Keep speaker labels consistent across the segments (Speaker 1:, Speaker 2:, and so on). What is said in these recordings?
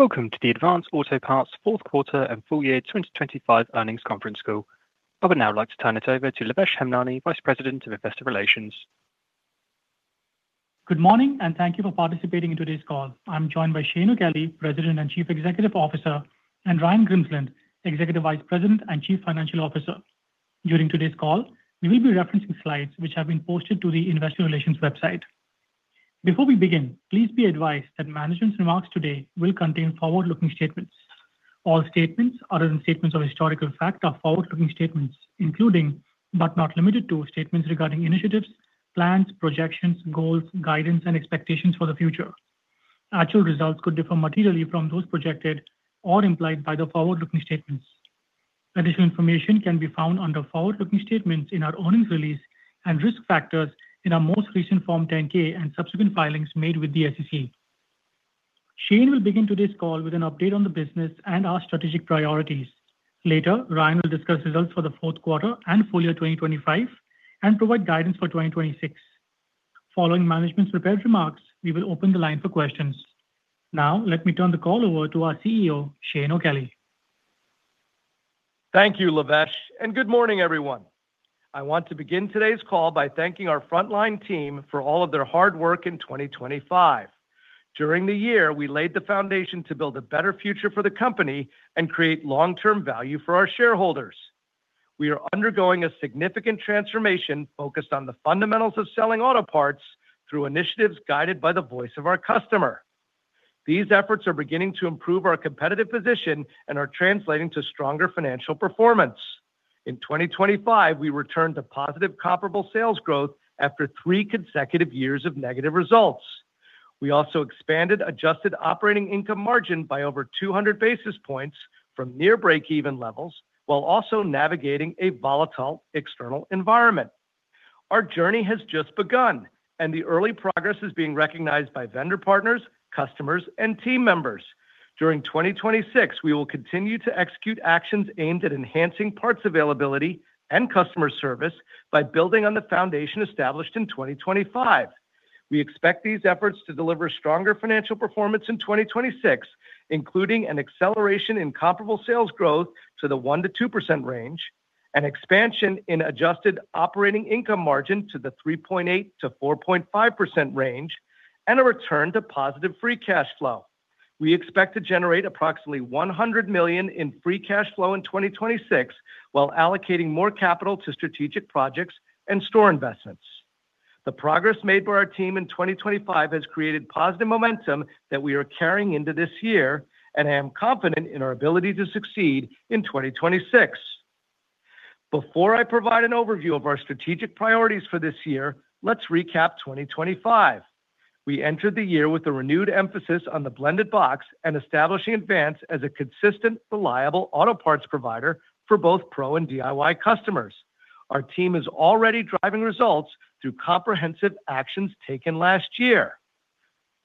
Speaker 1: Welcome to the Advance Auto Parts fourth quarter and full year 2025 earnings conference call. I would now like to turn it over to Lavesh Hemnani, Vice President of Investor Relations.
Speaker 2: Good morning, and thank you for participating in today's call. I'm joined by Shane O'Kelly, President and Chief Executive Officer, and Ryan Grimsland, Executive Vice President and Chief Financial Officer. During today's call, we will be referencing slides which have been posted to the investor relations website. Before we begin, please be advised that management's remarks today will contain forward-looking statements. All statements, other than statements of historical fact, are forward-looking statements, including, but not limited to, statements regarding initiatives, plans, projections, goals, guidance, and expectations for the future. Actual results could differ materially from those projected or implied by the forward-looking statements. Additional information can be found under Forward-Looking Statements in our earnings release and Risk Factors in our most recent Form 10-K and subsequent filings made with the SEC. Shane will begin today's call with an update on the business and our strategic priorities. Later, Ryan will discuss results for the fourth quarter and full year 2025 and provide guidance for 2026. Following management's prepared remarks, we will open the line for questions. Now, let me turn the call over to our CEO, Shane O'Kelly.
Speaker 3: Thank you, Lavesh, and good morning, everyone. I want to begin today's call by thanking our frontline team for all of their hard work in 2025. During the year, we laid the foundation to build a better future for the company and create long-term value for our shareholders. We are undergoing a significant transformation focused on the fundamentals of selling auto parts through initiatives guided by the voice of our customer. These efforts are beginning to improve our competitive position and are translating to stronger financial performance. In 2025, we returned to positive comparable sales growth after three consecutive years of negative results. We also expanded adjusted operating income margin by over 200 basis points from near-breakeven levels, while also navigating a volatile external environment. Our journey has just begun, and the early progress is being recognized by vendor partners, customers, and team members. During 2026, we will continue to execute actions aimed at enhancing parts availability and customer service by building on the foundation established in 2025. We expect these efforts to deliver stronger financial performance in 2026, including an acceleration in comparable sales growth to the 1%-2% range, an expansion in adjusted operating income margin to the 3.8%-4.5% range, and a return to positive free cash flow. We expect to generate approximately $100 million in free cash flow in 2026, while allocating more capital to strategic projects and store investments. The progress made by our team in 2025 has created positive momentum that we are carrying into this year, and I am confident in our ability to succeed in 2026. Before I provide an overview of our strategic priorities for this year, let's recap 2025. We entered the year with a renewed emphasis on the Blended Box and establishing Advance as a consistent, reliable auto parts provider for both pro and DIY customers. Our team is already driving results through comprehensive actions taken last year.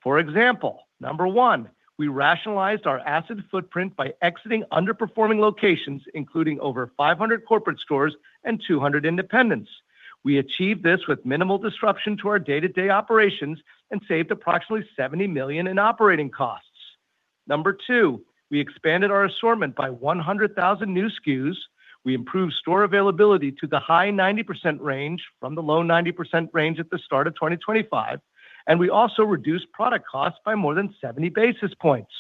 Speaker 3: For example, number one, we rationalized our asset footprint by exiting underperforming locations, including over 500 corporate stores and 200 independents. We achieved this with minimal disruption to our day-to-day operations and saved approximately $70 million in operating costs. Number two, we expanded our assortment by 100,000 new SKUs. We improved store availability to the high-90% range from the low-90% range at the start of 2025, and we also reduced product costs by more than 70 basis points.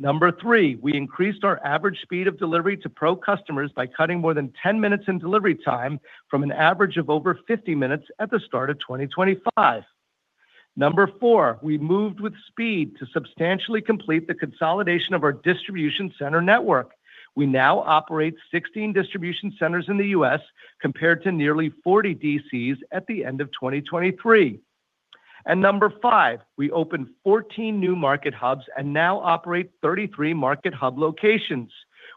Speaker 3: Number three, we increased our average speed of delivery to pro customers by cutting more than 10 minutes in delivery time from an average of over 50 minutes at the start of 2025. Number four, we moved with speed to substantially complete the consolidation of our distribution center network. We now operate 16 distribution centers in the U.S., compared to nearly 40 DCs at the end of 2023. And number five, we opened 14 new market hubs and now operate 33 market hub locations.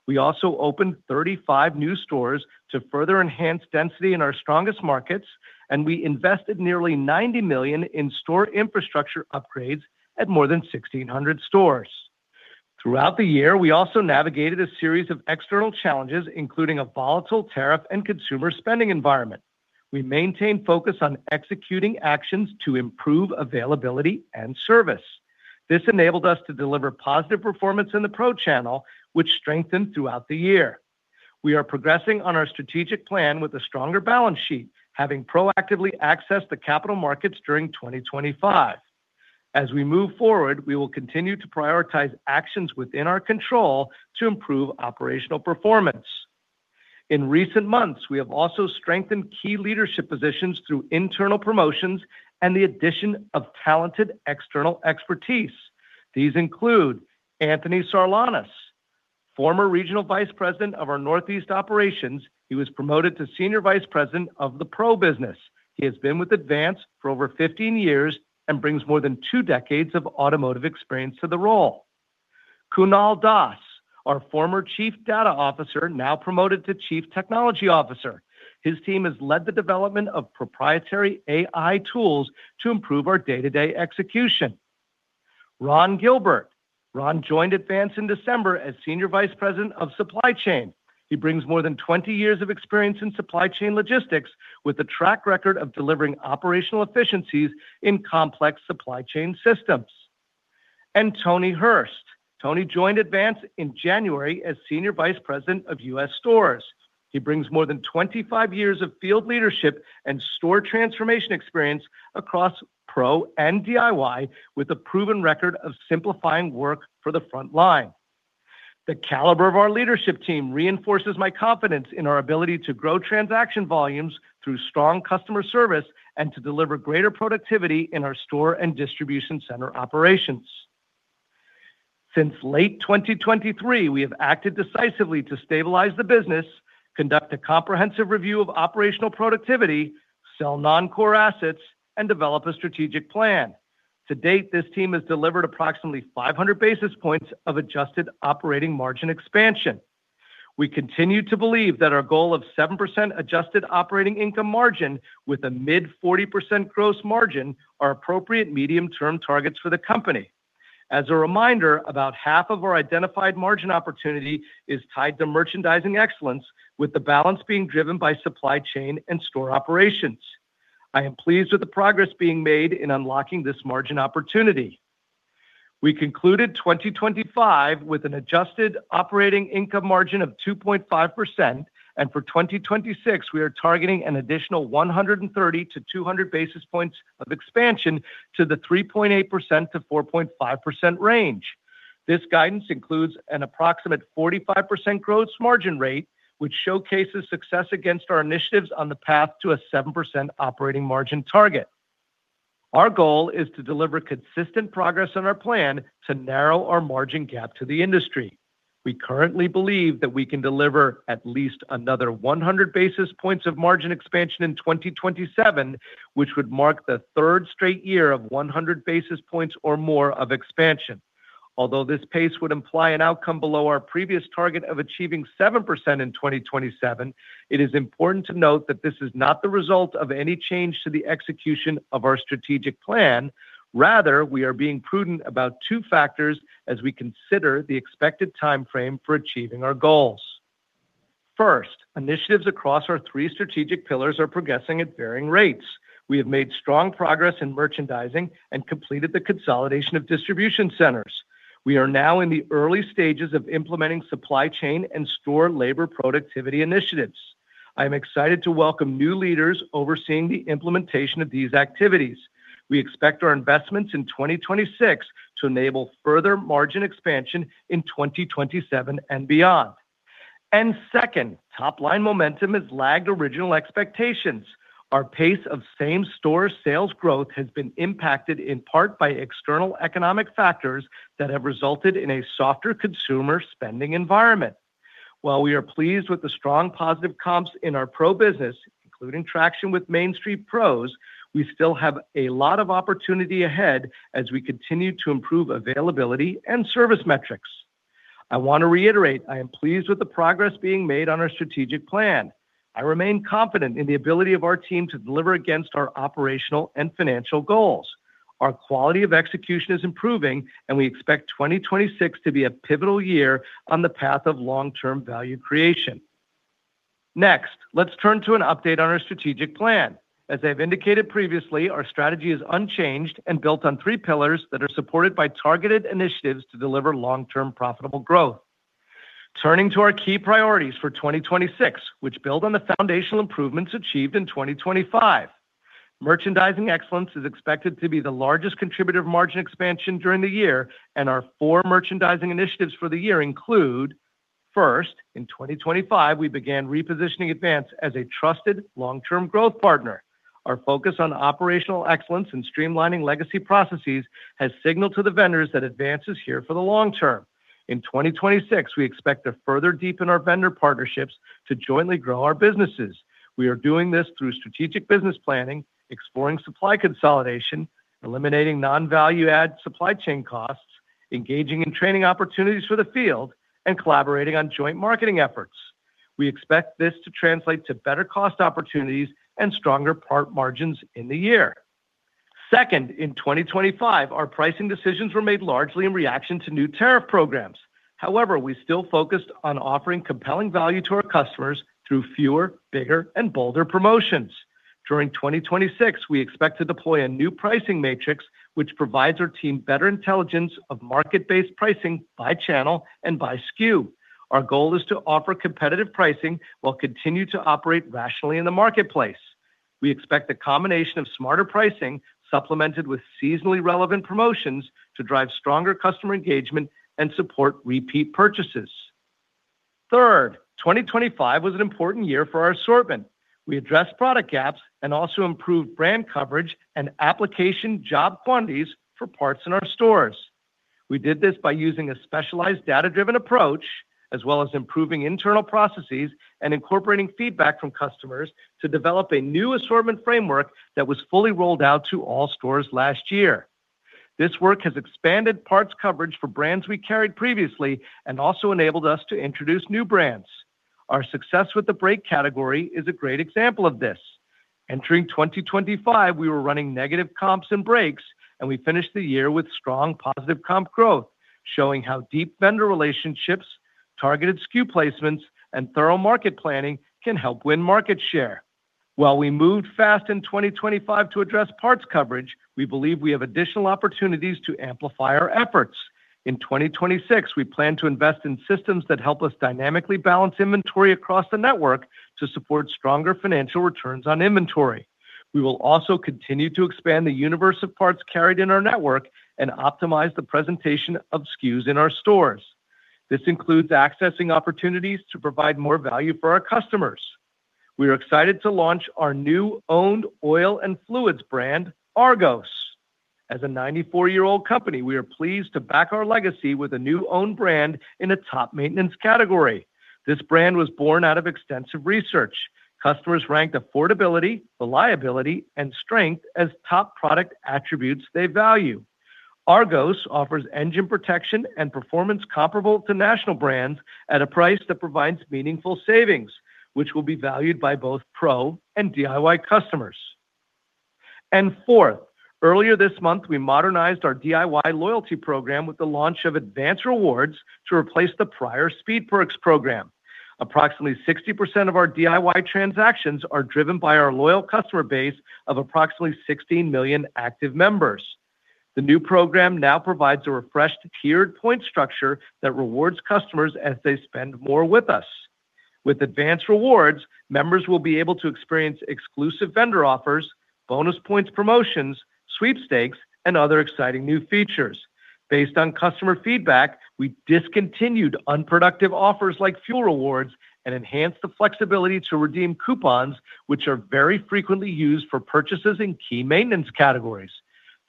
Speaker 3: We also opened 35 new stores to further enhance density in our strongest markets, and we invested nearly $90 million in store infrastructure upgrades at more than 1,600 stores. Throughout the year, we also navigated a series of external challenges, including a volatile tariff and consumer spending environment. We maintained focus on executing actions to improve availability and service. This enabled us to deliver positive performance in the pro channel, which strengthened throughout the year. We are progressing on our strategic plan with a stronger balance sheet, having proactively accessed the capital markets during 2025. As we move forward, we will continue to prioritize actions within our control to improve operational performance. In recent months, we have also strengthened key leadership positions through internal promotions and the addition of talented external expertise. These include Anthony Sarlanis, former Regional Vice President of our Northeast Operations. He was promoted to Senior Vice President of the pro business. He has been with Advance for over 15 years and brings more than two decades of automotive experience to the role. Kunal Das, our former Chief Data Officer, now promoted to Chief Technology Officer. His team has led the development of proprietary AI tools to improve our day-to-day execution. Ron Gilbert. Ron joined Advance in December as Senior Vice President of Supply Chain. He brings more than 20 years of experience in supply chain logistics, with a track record of delivering operational efficiencies in complex supply chain systems. Tony Hurst. Tony joined Advance in January as Senior Vice President of U.S. Stores. He brings more than 25 years of field leadership and store transformation experience across pro and DIY, with a proven record of simplifying work for the front line. The caliber of our leadership team reinforces my confidence in our ability to grow transaction volumes through strong customer service, and to deliver greater productivity in our store and distribution center operations. Since late 2023, we have acted decisively to stabilize the business, conduct a comprehensive review of operational productivity, sell non-core assets, and develop a strategic plan. To date, this team has delivered approximately 500 basis points of adjusted operating margin expansion. We continue to believe that our goal of 7% adjusted operating income margin with a mid-40% gross margin, are appropriate medium-term targets for the company. As a reminder, about half of our identified margin opportunity is tied to merchandising excellence, with the balance being driven by supply chain and store operations. I am pleased with the progress being made in unlocking this margin opportunity. We concluded 2025 with an adjusted operating income margin of 2.5%, and for 2026, we are targeting an additional 130-200 basis points of expansion to the 3.8%-4.5% range. This guidance includes an approximate 45% gross margin rate, which showcases success against our initiatives on the path to a 7% operating margin target. Our goal is to deliver consistent progress on our plan to narrow our margin gap to the industry. We currently believe that we can deliver at least another 100 basis points of margin expansion in 2027, which would mark the third straight year of 100 basis points or more of expansion. Although this pace would imply an outcome below our previous target of achieving 7% in 2027, it is important to note that this is not the result of any change to the execution of our strategic plan. Rather, we are being prudent about two factors as we consider the expected timeframe for achieving our goals. First, initiatives across our three strategic pillars are progressing at varying rates. We have made strong progress in merchandising and completed the consolidation of distribution centers. We are now in the early stages of implementing supply chain and store labor productivity initiatives. I am excited to welcome new leaders overseeing the implementation of these activities. We expect our investments in 2026 to enable further margin expansion in 2027 and beyond. And second, top-line momentum has lagged original expectations. Our pace of same-store sales growth has been impacted in part by external economic factors that have resulted in a softer consumer spending environment. While we are pleased with the strong positive comps in our pro business, including traction with Main Street Pros, we still have a lot of opportunity ahead as we continue to improve availability and service metrics. I want to reiterate, I am pleased with the progress being made on our strategic plan. I remain confident in the ability of our team to deliver against our operational and financial goals. Our quality of execution is improving, and we expect 2026 to be a pivotal year on the path of long-term value creation. Next, let's turn to an update on our strategic plan. As I've indicated previously, our strategy is unchanged and built on three pillars that are supported by targeted initiatives to deliver long-term profitable growth. Turning to our key priorities for 2026, which build on the foundational improvements achieved in 2025. Merchandising excellence is expected to be the largest contributor of margin expansion during the year, and our four merchandising initiatives for the year include: First, in 2025, we began repositioning Advance as a trusted long-term growth partner. Our focus on operational excellence and streamlining legacy processes has signaled to the vendors that Advance is here for the long term. In 2026, we expect to further deepen our vendor partnerships to jointly grow our businesses. We are doing this through strategic business planning, exploring supply consolidation, eliminating non-value-add supply chain costs, engaging in training opportunities for the field, and collaborating on joint marketing efforts. We expect this to translate to better cost opportunities and stronger part margins in the year. Second, in 2025, our pricing decisions were made largely in reaction to new tariff programs. However, we still focused on offering compelling value to our customers through fewer, bigger, and bolder promotions. During 2026, we expect to deploy a new pricing matrix, which provides our team better intelligence of market-based pricing by channel and by SKU. Our goal is to offer competitive pricing while continuing to operate rationally in the marketplace. We expect a combination of smarter pricing, supplemented with seasonally relevant promotions, to drive stronger customer engagement and support repeat purchases. Third, 2025 was an important year for our assortment. We addressed product gaps and also improved brand coverage and application job bundles for parts in our stores. We did this by using a specialized data-driven approach, as well as improving internal processes and incorporating feedback from customers to develop a new assortment framework that was fully rolled out to all stores last year. This work has expanded parts coverage for brands we carried previously and also enabled us to introduce new brands. Our success with the brake category is a great example of this. Entering 2025, we were running negative comps in brakes, and we finished the year with strong positive comp growth, showing how deep vendor relationships, targeted SKU placements, and thorough market planning can help win market share. While we moved fast in 2025 to address parts coverage, we believe we have additional opportunities to amplify our efforts. In 2026, we plan to invest in systems that help us dynamically balance inventory across the network to support stronger financial returns on inventory. We will also continue to expand the universe of parts carried in our network and optimize the presentation of SKUs in our stores. This includes accessing opportunities to provide more value for our customers. We are excited to launch our new owned oil and fluids brand, ARGOS. As a 94-year-old company, we are pleased to back our legacy with a new own brand in a top maintenance category. This brand was born out of extensive research. Customers ranked affordability, reliability, and strength as top product attributes they value. ARGOS offers engine protection and performance comparable to national brands at a price that provides meaningful savings, which will be valued by both pro and DIY customers. Fourth, earlier this month, we modernized our DIY loyalty program with the launch of Advance Rewards to replace the prior Speed Perks program. Approximately 60% of our DIY transactions are driven by our loyal customer base of approximately 16 million active members. The new program now provides a refreshed tiered point structure that rewards customers as they spend more with us. With Advance Rewards, members will be able to experience exclusive vendor offers, bonus points promotions, sweepstakes, and other exciting new features. Based on customer feedback, we discontinued unproductive offers like fuel rewards and enhanced the flexibility to redeem coupons, which are very frequently used for purchases in key maintenance categories.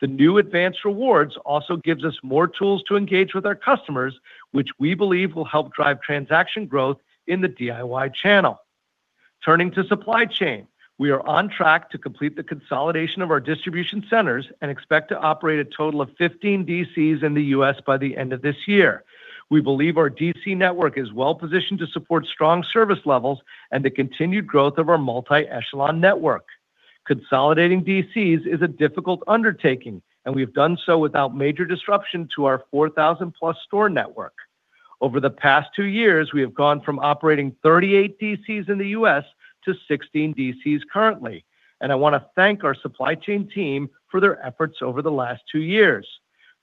Speaker 3: The new Advance Rewards also gives us more tools to engage with our customers, which we believe will help drive transaction growth in the DIY channel. Turning to supply chain, we are on track to complete the consolidation of our distribution centers and expect to operate a total of 15 DCs in the U.S. by the end of this year. We believe our DC network is well positioned to support strong service levels and the continued growth of our multi-echelon network. Consolidating DCs is a difficult undertaking, and we've done so without major disruption to our 4,000+ store network. Over the past two years, we have gone from operating 38 DCs in the U.S. to 16 DCs currently, and I want to thank our supply chain team for their efforts over the last two years.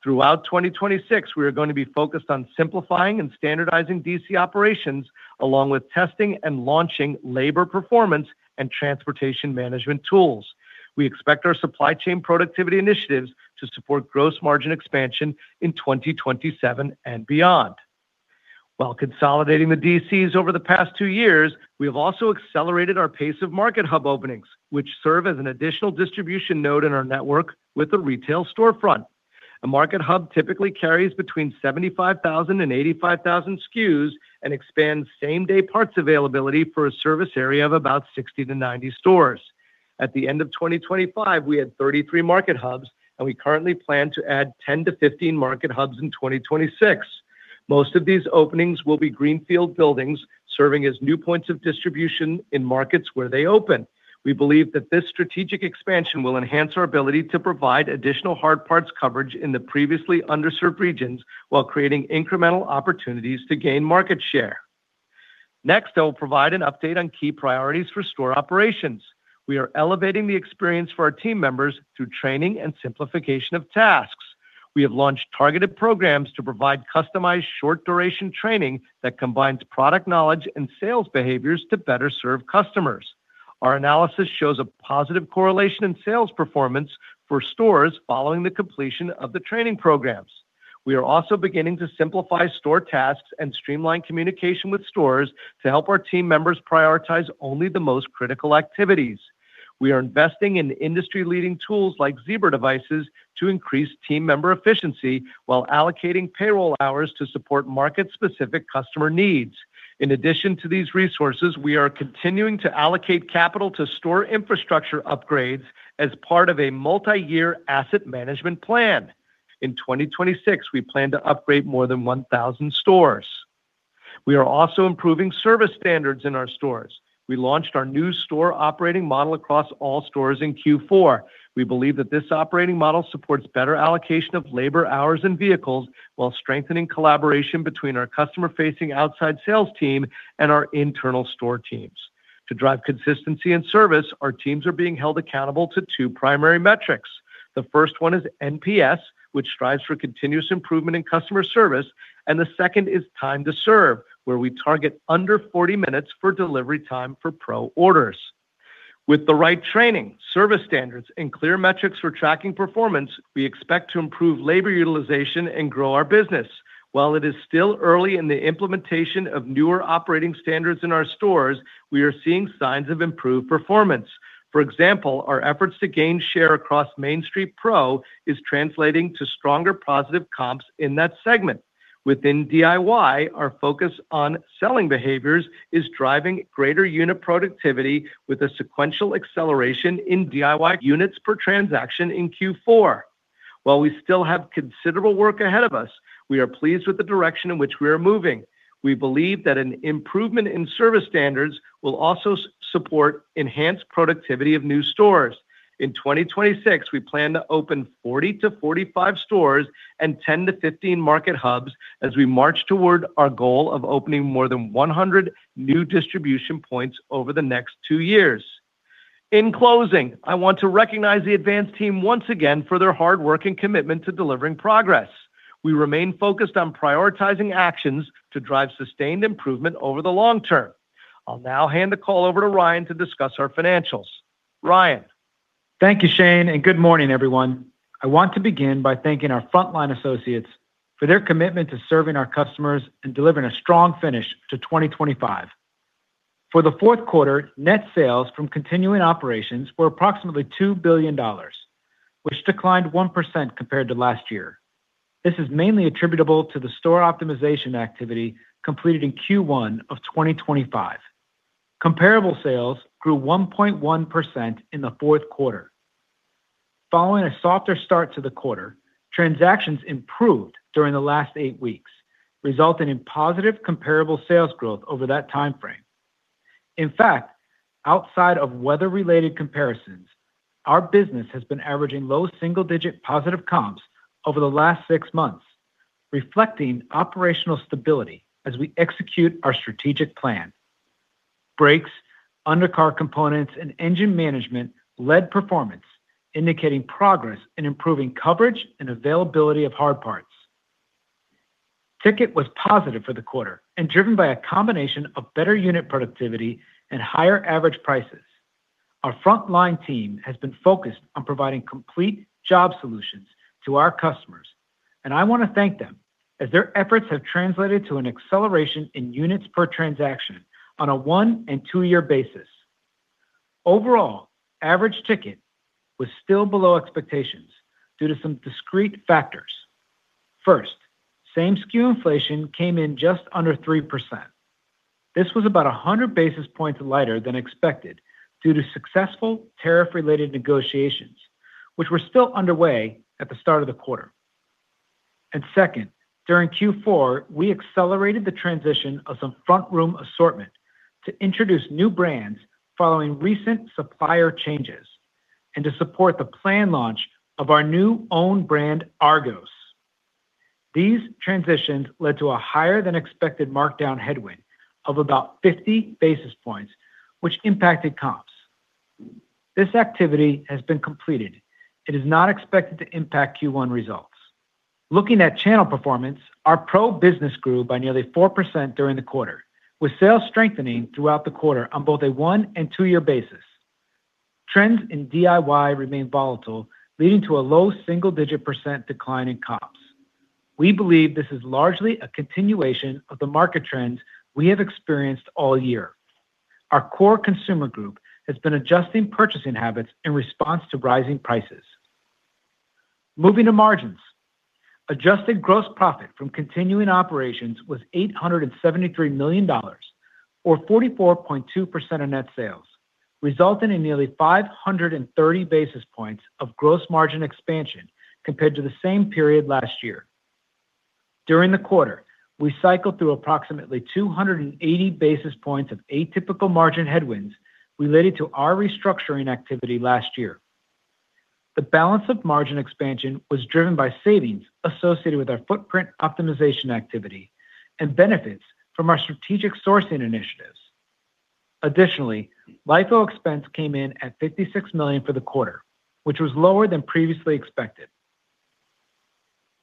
Speaker 3: Throughout 2026, we are going to be focused on simplifying and standardizing DC operations, along with testing and launching labor performance and transportation management tools. We expect our supply chain productivity initiatives to support gross margin expansion in 2027 and beyond. While consolidating the DCs over the past two years, we have also accelerated our pace of market hub openings, which serve as an additional distribution node in our network with a retail storefront. A market hub typically carries between 75,000 and 85,000 SKUs and expands same-day parts availability for a service area of about 60-90 stores. At the end of 2025, we had 33 market hubs, and we currently plan to add 10-15 market hubs in 2026. Most of these openings will be greenfield buildings, serving as new points of distribution in markets where they open. We believe that this strategic expansion will enhance our ability to provide additional hard parts coverage in the previously underserved regions while creating incremental opportunities to gain market share. Next, I will provide an update on key priorities for store operations. We are elevating the experience for our team members through training and simplification of tasks. We have launched targeted programs to provide customized, short-duration training that combines product knowledge and sales behaviors to better serve customers. Our analysis shows a positive correlation in sales performance for stores following the completion of the training programs. We are also beginning to simplify store tasks and streamline communication with stores to help our team members prioritize only the most critical activities. We are investing in industry-leading tools like Zebra devices to increase team member efficiency while allocating payroll hours to support market-specific customer needs. In addition to these resources, we are continuing to allocate capital to store infrastructure upgrades as part of a multi-year asset management plan. In 2026, we plan to upgrade more than 1,000 stores. We are also improving service standards in our stores. We launched our new store operating model across all stores in Q4. We believe that this operating model supports better allocation of labor, hours, and vehicles while strengthening collaboration between our customer-facing outside sales team and our internal store teams. To drive consistency and service, our teams are being held accountable to two primary metrics. The first one is NPS, which strives for continuous improvement in customer service, and the second is time to serve, where we target under 40 minutes for delivery time for pro orders. With the right training, service standards, and clear metrics for tracking performance, we expect to improve labor utilization and grow our business. While it is still early in the implementation of newer operating standards in our stores, we are seeing signs of improved performance. For example, our efforts to gain share across Main Street Pro is translating to stronger positive comps in that segment. Within DIY, our focus on selling behaviors is driving greater unit productivity with a sequential acceleration in DIY units per transaction in Q4. While we still have considerable work ahead of us, we are pleased with the direction in which we are moving. We believe that an improvement in service standards will also support enhanced productivity of new stores. In 2026, we plan to open 40-45 stores and 10-15 market hubs as we march toward our goal of opening more than 100 new distribution points over the next two years. In closing, I want to recognize the Advance team once again for their hard work and commitment to delivering progress. We remain focused on prioritizing actions to drive sustained improvement over the long term. I'll now hand the call over to Ryan to discuss our financials. Ryan?
Speaker 4: Thank you, Shane, and good morning, everyone. I want to begin by thanking our frontline associates for their commitment to serving our customers and delivering a strong finish to 2025. For the fourth quarter, net sales from continuing operations were approximately $2 billion, which declined 1% compared to last year. This is mainly attributable to the store optimization activity completed in Q1 of 2025. Comparable sales grew 1.1% in the fourth quarter. Following a softer start to the quarter, transactions improved during the last eight weeks, resulting in positive comparable sales growth over that timeframe. In fact, outside of weather-related comparisons, our business has been averaging low single-digit positive comps over the last six months, reflecting operational stability as we execute our strategic plan. Brakes, undercar components, and engine management led performance, indicating progress in improving coverage and availability of hard parts. Ticket was positive for the quarter and driven by a combination of better unit productivity and higher average prices. Our frontline team has been focused on providing complete job solutions to our customers, and I want to thank them, as their efforts have translated to an acceleration in units per transaction on a one- and two-year basis. Overall, average ticket was still below expectations due to some discrete factors. First, same-SKU inflation came in just under 3%. This was about 100 basis points lighter than expected due to successful tariff-related negotiations, which were still underway at the start of the quarter. Second, during Q4, we accelerated the transition of some front-room assortment to introduce new brands following recent supplier changes and to support the planned launch of our new owned brand, ARGOS. These transitions led to a higher-than-expected markdown headwind of about 50 basis points, which impacted comps. This activity has been completed. It is not expected to impact Q1 results. Looking at channel performance, our pro business grew by nearly 4% during the quarter, with sales strengthening throughout the quarter on both a one- and two-year basis. Trends in DIY remain volatile, leading to a low single-digit-percent decline in comps. We believe this is largely a continuation of the market trends we have experienced all year. Our core consumer group has been adjusting purchasing habits in response to rising prices. Moving to margins. Adjusted gross profit from continuing operations was $873 million or 44.2% of net sales, resulting in nearly 530 basis points of gross margin expansion compared to the same period last year. During the quarter, we cycled through approximately 280 basis points of atypical margin headwinds related to our restructuring activity last year. The balance of margin expansion was driven by savings associated with our footprint optimization activity and benefits from our strategic sourcing initiatives. Additionally, LIFO expense came in at $56 million for the quarter, which was lower than previously expected.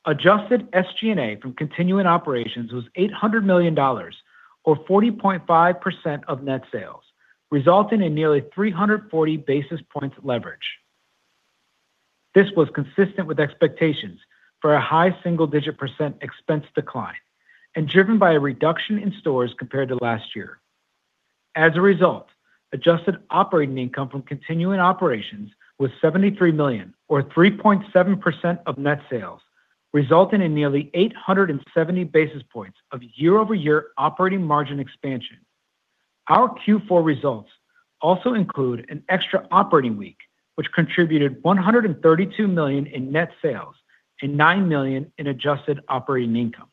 Speaker 4: Adjusted SG&A from continuing operations was $800 million or 40.5% of net sales, resulting in nearly 340 basis points leverage. This was consistent with expectations for a high single-digit-percent expense decline and driven by a reduction in stores compared to last year. As a result, adjusted operating income from continuing operations was $73 million or 3.7% of net sales, resulting in nearly 870 basis points of year-over-year operating margin expansion. Our Q4 results also include an extra operating week, which contributed $132 million in net sales and $9 million in adjusted operating income.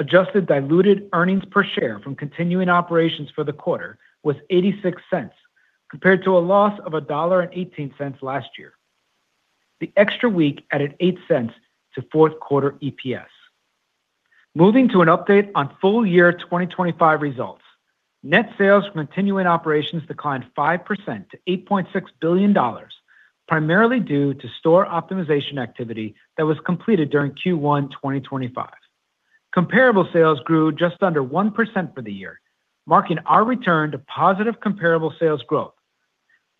Speaker 4: Adjusted diluted earnings per share from continuing operations for the quarter was $0.86, compared to a loss of $1.18 last year. The extra week added $0.08 to fourth quarter EPS. Moving to an update on full-year 2025 results. Net sales from continuing operations declined 5% to $8.6 billion, primarily due to store optimization activity that was completed during Q1 2025. Comparable sales grew just under 1% for the year, marking our return to positive comparable sales growth.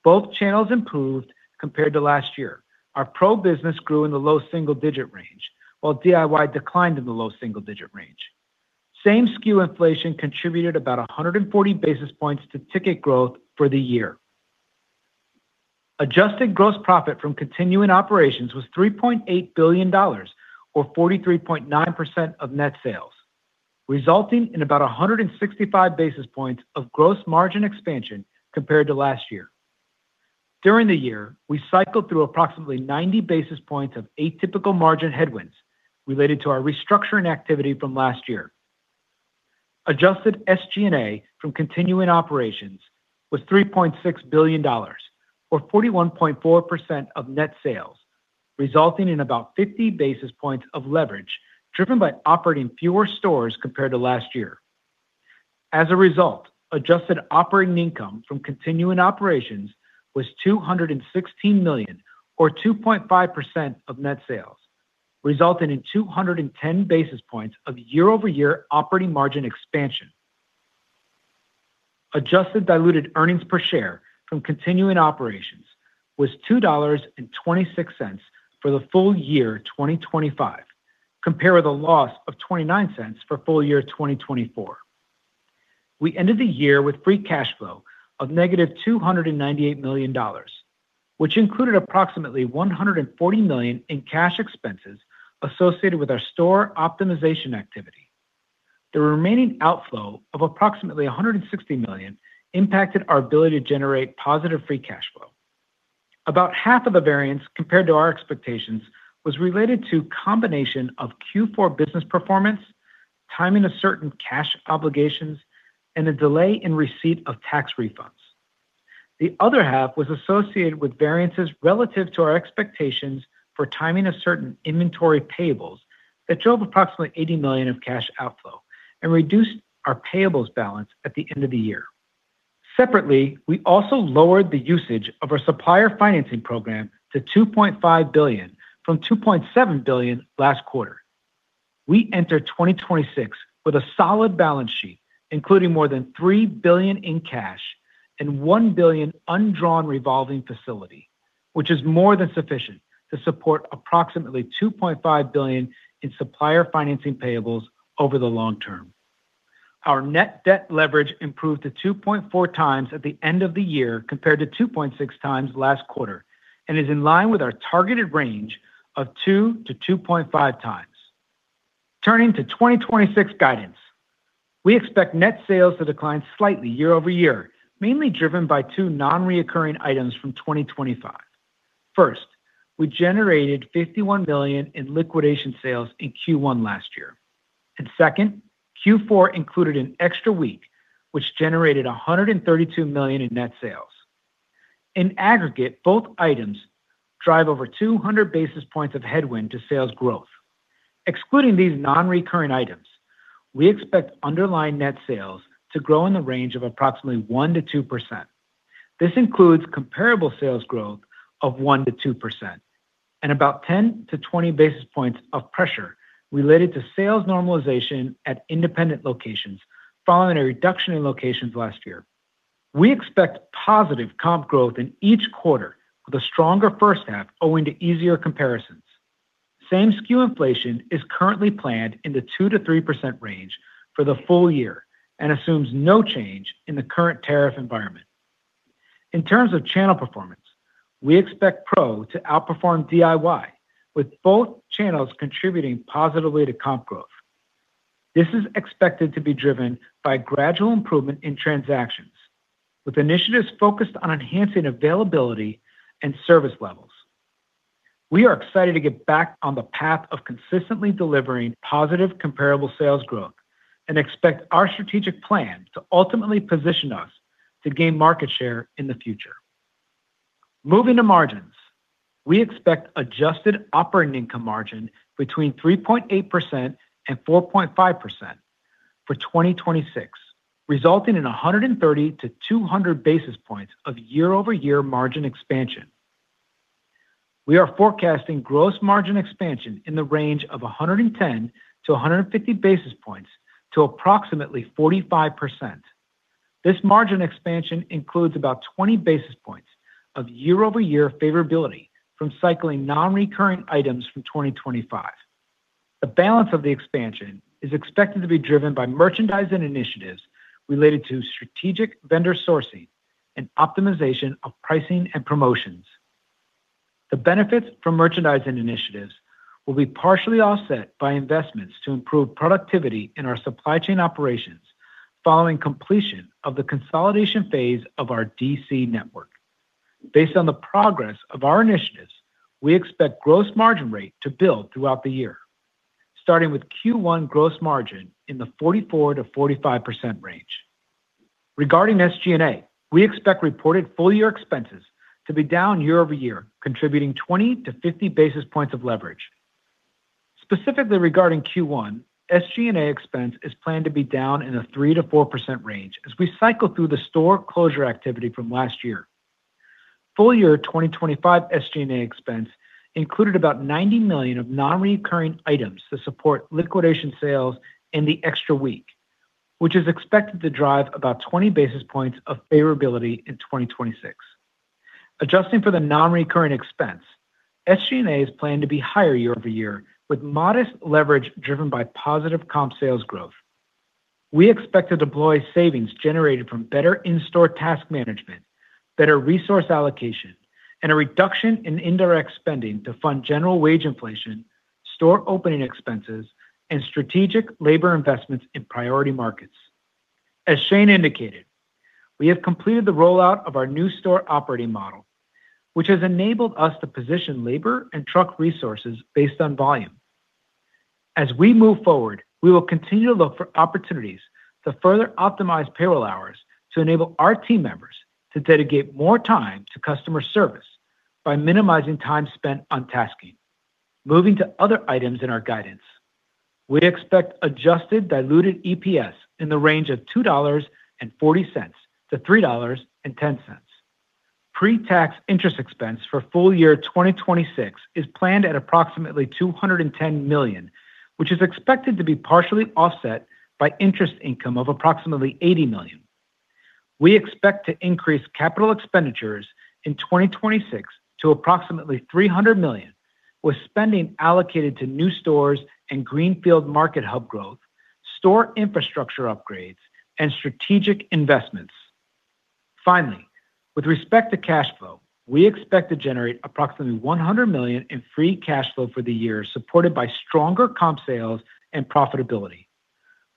Speaker 4: Both channels improved compared to last year. Our pro business grew in the low single-digit range, while DIY declined in the low single-digit range. Same-SKU inflation contributed about 140 basis points to ticket growth for the year. Adjusted gross profit from continuing operations was $3.8 billion or 43.9% of net sales. Resulting in about 165 basis points of gross margin expansion compared to last year. During the year, we cycled through approximately 90 basis points of atypical margin headwinds related to our restructuring activity from last year. Adjusted SG&A from continuing operations was $3.6 billion, or 41.4% of net sales, resulting in about 50 basis points of leverage, driven by operating fewer stores compared to last year. As a result, adjusted operating income from continuing operations was $216 million, or 2.5% of net sales, resulting in 210 basis points of year-over-year operating margin expansion. Adjusted diluted earnings per share from continuing operations was $2.26 for the full year 2025, compare with a loss of $0.29 for full year 2024. We ended the year with free cash flow of -$298 million, which included approximately $140 million in cash expenses associated with our store optimization activity. The remaining outflow of approximately $160 million impacted our ability to generate positive free cash flow. About half of the variance compared to our expectations was related to combination of Q4 business performance, timing of certain cash obligations, and a delay in receipt of tax refunds. The other half was associated with variances relative to our expectations for timing of certain inventory payables that drove approximately $80 million of cash outflow and reduced our payables balance at the end of the year. Separately, we also lowered the usage of our supplier financing program to $2.5 billion from $2.7 billion last quarter. We enter 2026 with a solid balance sheet, including more than $3 billion in cash and $1 billion undrawn revolving facility, which is more than sufficient to support approximately $2.5 billion in supplier financing payables over the long term. Our net debt leverage improved to 2.4 times at the end of the year, compared to 2.6 times last quarter, and is in line with our targeted range of 2-2.5 times. Turning to 2026 guidance. We expect net sales to decline slightly year-over-year, mainly driven by two non-recurring items from 2025. First, we generated $51 million in liquidation sales in Q1 last year. Second, Q4 included an extra week, which generated $132 million in net sales. In aggregate, both items drive over 200 basis points of headwind to sales growth. Excluding these non-recurrent items, we expect underlying net sales to grow in the range of approximately 1%-2%. This includes comparable sales growth of 1%-2% and about 10-20 basis points of pressure related to sales normalization at independent locations, following a reduction in locations last year. We expect positive comp growth in each quarter with a stronger first half, owing to easier comparisons. Same SKU inflation is currently planned in the 2%-3% range for the full year and assumes no change in the current tariff environment. In terms of channel performance, we expect pro to outperform DIY, with both channels contributing positively to comp growth. This is expected to be driven by gradual improvement in transactions, with initiatives focused on enhancing availability and service levels. We are excited to get back on the path of consistently delivering positive comparable sales growth and expect our strategic plan to ultimately position us to gain market share in the future. Moving to margins, we expect adjusted operating income margin between 3.8% and 4.5% for 2026, resulting in 130-200 basis points of year-over-year margin expansion. We are forecasting gross margin expansion in the range of 110-150 basis points to approximately 45%. This margin expansion includes about 20 basis points of year-over-year favorability from cycling non-recurrent items from 2025. The balance of the expansion is expected to be driven by merchandising initiatives related to strategic vendor sourcing and optimization of pricing and promotions. The benefits from merchandising initiatives will be partially offset by investments to improve productivity in our supply chain operations following completion of the consolidation phase of our DC network. Based on the progress of our initiatives, we expect gross margin rate to build throughout the year, starting with Q1 gross margin in the 44%-45% range. Regarding SG&A, we expect reported full year expenses to be down year-over-year, contributing 20-50 basis points of leverage. Specifically regarding Q1, SG&A expense is planned to be down in a 3%-4% range as we cycle through the store closure activity from last year. Full year 2025 SG&A expense included about $90 million of non-recurring items to support liquidation sales and the extra week, which is expected to drive about 20 basis points of favorability in 2026. Adjusting for the non-recurring expense, SG&A is planned to be higher year-over-year, with modest leverage driven by positive comp sales growth. We expect to deploy savings generated from better in-store task management, better resource allocation, and a reduction in indirect spending to fund general wage inflation, store opening expenses, and strategic labor investments in priority markets. As Shane indicated, we have completed the rollout of our new store operating model, which has enabled us to position labor and truck resources based on volume. As we move forward, we will continue to look for opportunities to further optimize payroll hours to enable our team members to dedicate more time to customer service by minimizing time spent on tasking. Moving to other items in our guidance, we'd expect adjusted diluted EPS in the range of $2.40-$3.10. Pre-tax interest expense for full year 2026 is planned at approximately $210 million, which is expected to be partially offset by interest income of approximately $80 million. We expect to increase capital expenditures in 2026 to approximately $300 million, with spending allocated to new stores and greenfield market hub growth, store infrastructure upgrades, and strategic investments. Finally, with respect to cash flow, we expect to generate approximately $100 million in free cash flow for the year, supported by stronger comp sales and profitability.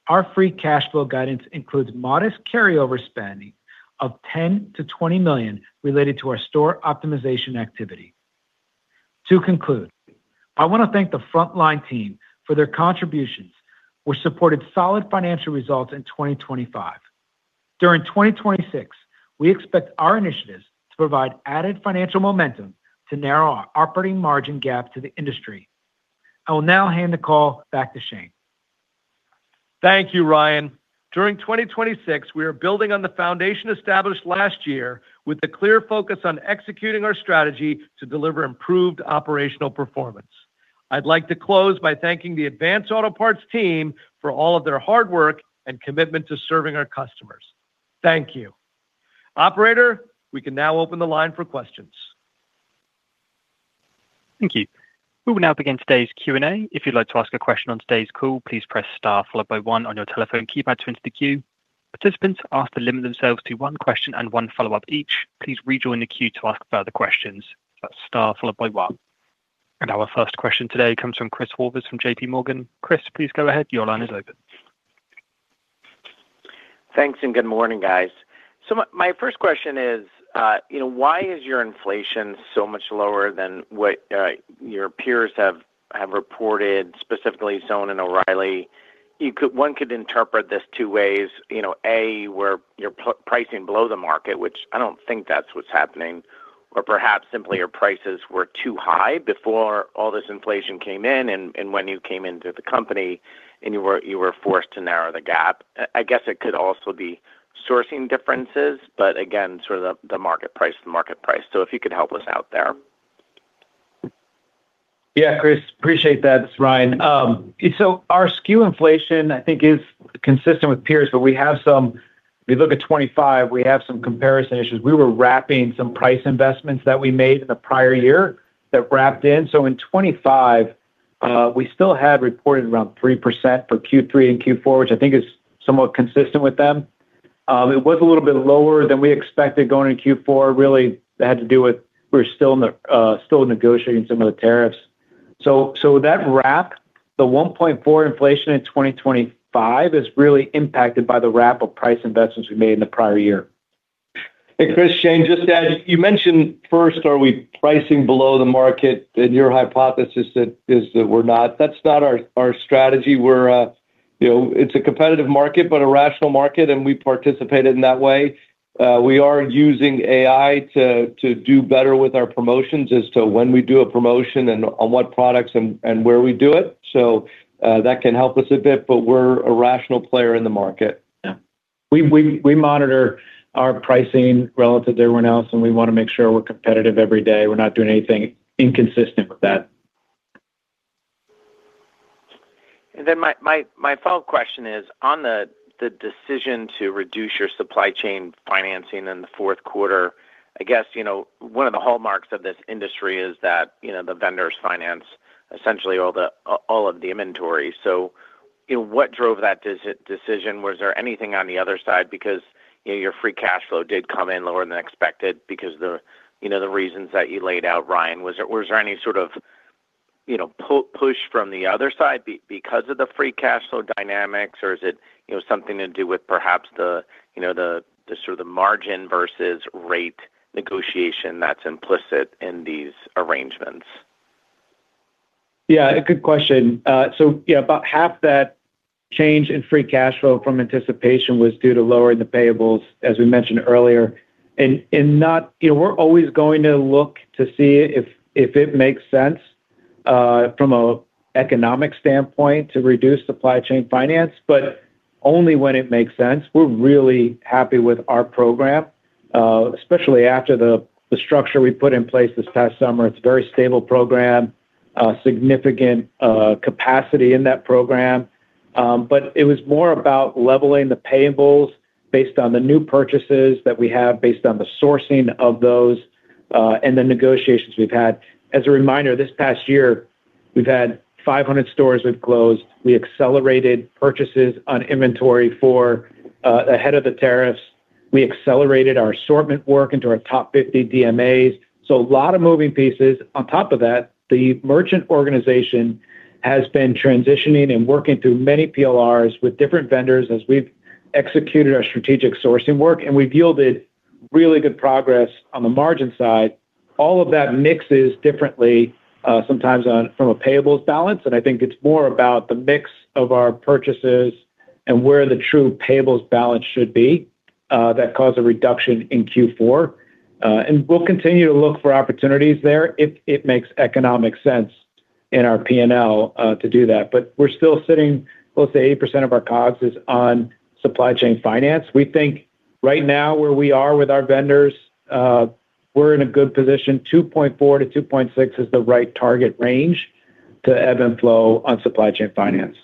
Speaker 4: Our free cash flow guidance includes modest carryover spending of $10 million-$20 million related to our store optimization activity. To conclude, I want to thank the frontline team for their contributions, which supported solid financial results in 2025. During 2026, we expect our initiatives to provide added financial momentum to narrow our operating margin gap to the industry. I will now hand the call back to Shane.
Speaker 3: Thank you, Ryan. During 2026, we are building on the foundation established last year with a clear focus on executing our strategy to deliver improved operational performance. I'd like to close by thanking the Advance Auto Parts team for all of their hard work and commitment to serving our customers.
Speaker 4: Thank you. Operator, we can now open the line for questions.
Speaker 1: Thank you. We will now begin today's Q&A. If you'd like to ask a question on today's call, please press star followed by one on your telephone keypad to enter the queue. Participants are to limit themselves to one question and one follow-up each. Please rejoin the queue to ask further questions. That's star followed by one. Our first question today comes from Chris Horvers from JPMorgan. Chris, please go ahead. Your line is open.
Speaker 5: Thanks, and good morning, guys. So my first question is, you know, why is your inflation so much lower than what your peers have reported, specifically Zone and O'Reilly? You could- one could interpret this two ways. You know, A, where you're pl- pricing below the market, which I don't think that's what's happening, or perhaps simply your prices were too high before all this inflation came in and when you came into the company and you were forced to narrow the gap. I guess it could also be sourcing differences, but again, sort of the market price, the market price. So if you could help us out there.
Speaker 4: Yeah, Chris, appreciate that. It's Ryan. So our SKU inflation, I think, is consistent with peers, but we have some... If you look at 2025, we have some comparison issues. We were wrapping some price investments that we made in the prior year that wrapped in. So in 2025, we still had reported around 3% for Q3 and Q4, which I think is somewhat consistent with them. It was a little bit lower than we expected going into Q4. Really, that had to do with we're still in the, still negotiating some of the tariffs. So with that wrap, the 1.4% inflation in 2025 is really impacted by the wrap of price investments we made in the prior year.
Speaker 3: Hey, Chris, Shane, just as you mentioned, first, are we pricing below the market? And your hypothesis is that we're not. That's not our strategy. We're, you know, it's a competitive market, but a rational market, and we participate in that way. We are using AI to do better with our promotions as to when we do a promotion and on what products and where we do it. So, that can help us a bit, but we're a rational player in the market. Yeah.
Speaker 4: We monitor our pricing relative to everyone else, and we want to make sure we're competitive every day. We're not doing anything inconsistent with that.
Speaker 5: Then my follow-up question is, on the decision to reduce your supply chain financing in the fourth quarter, I guess, you know, one of the hallmarks of this industry is that, you know, the vendors finance essentially all of the inventory. So, you know, what drove that decision? Was there anything on the other side? Because, you know, your free cash flow did come in lower than expected because the, you know, the reasons that you laid out, Ryan. Was there any sort of, you know, push from the other side because of the free cash flow dynamics, or is it, you know, something to do with perhaps the, you know, the sort of the margin versus rate negotiation that's implicit in these arrangements?
Speaker 4: Yeah, a good question. So yeah, about half that change in free cash flow from anticipation was due to lowering the payables, as we mentioned earlier. And not... You know, we're always going to look to see if it makes sense from an economic standpoint to reduce supply chain finance, but only when it makes sense. We're really happy with our program, especially after the structure we put in place this past summer. It's a very stable program, significant capacity in that program. But it was more about leveling the payables based on the new purchases that we have, based on the sourcing of those and the negotiations we've had. As a reminder, this past year, we've had 500 stores we've closed. We accelerated purchases on inventory for ahead of the tariffs. We accelerated our assortment work into our top 50 DMAs. So a lot of moving pieces. On top of that, the merchant organization has been transitioning and working through many PLRs with different vendors as we've executed our strategic sourcing work, and we've yielded really good progress on the margin side. All of that mixes differently, sometimes from a payables balance, and I think it's more about the mix of our purchases and where the true payables balance should be, that caused a reduction in Q4. And we'll continue to look for opportunities there if it makes economic sense in our P&L, to do that. But we're still sitting, we'll say, 80% of our COGS is on supply chain finance. We think right now, where we are with our vendors, we're in a good position. 2.4-2.6 is the right target range to ebb and flow on supply chain finance.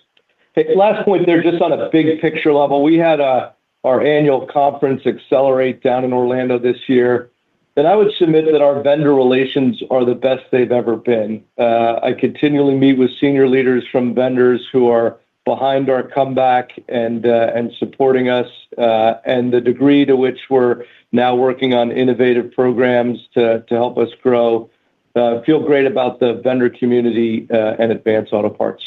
Speaker 3: Hey, last point there, just on a big picture level. We had our annual conference Accelerate down in Orlando this year. But I would submit that our vendor relations are the best they've ever been. I continually meet with senior leaders from vendors who are behind our comeback and supporting us, and the degree to which we're now working on innovative programs to help us grow, feel great about the vendor community and Advance Auto Parts.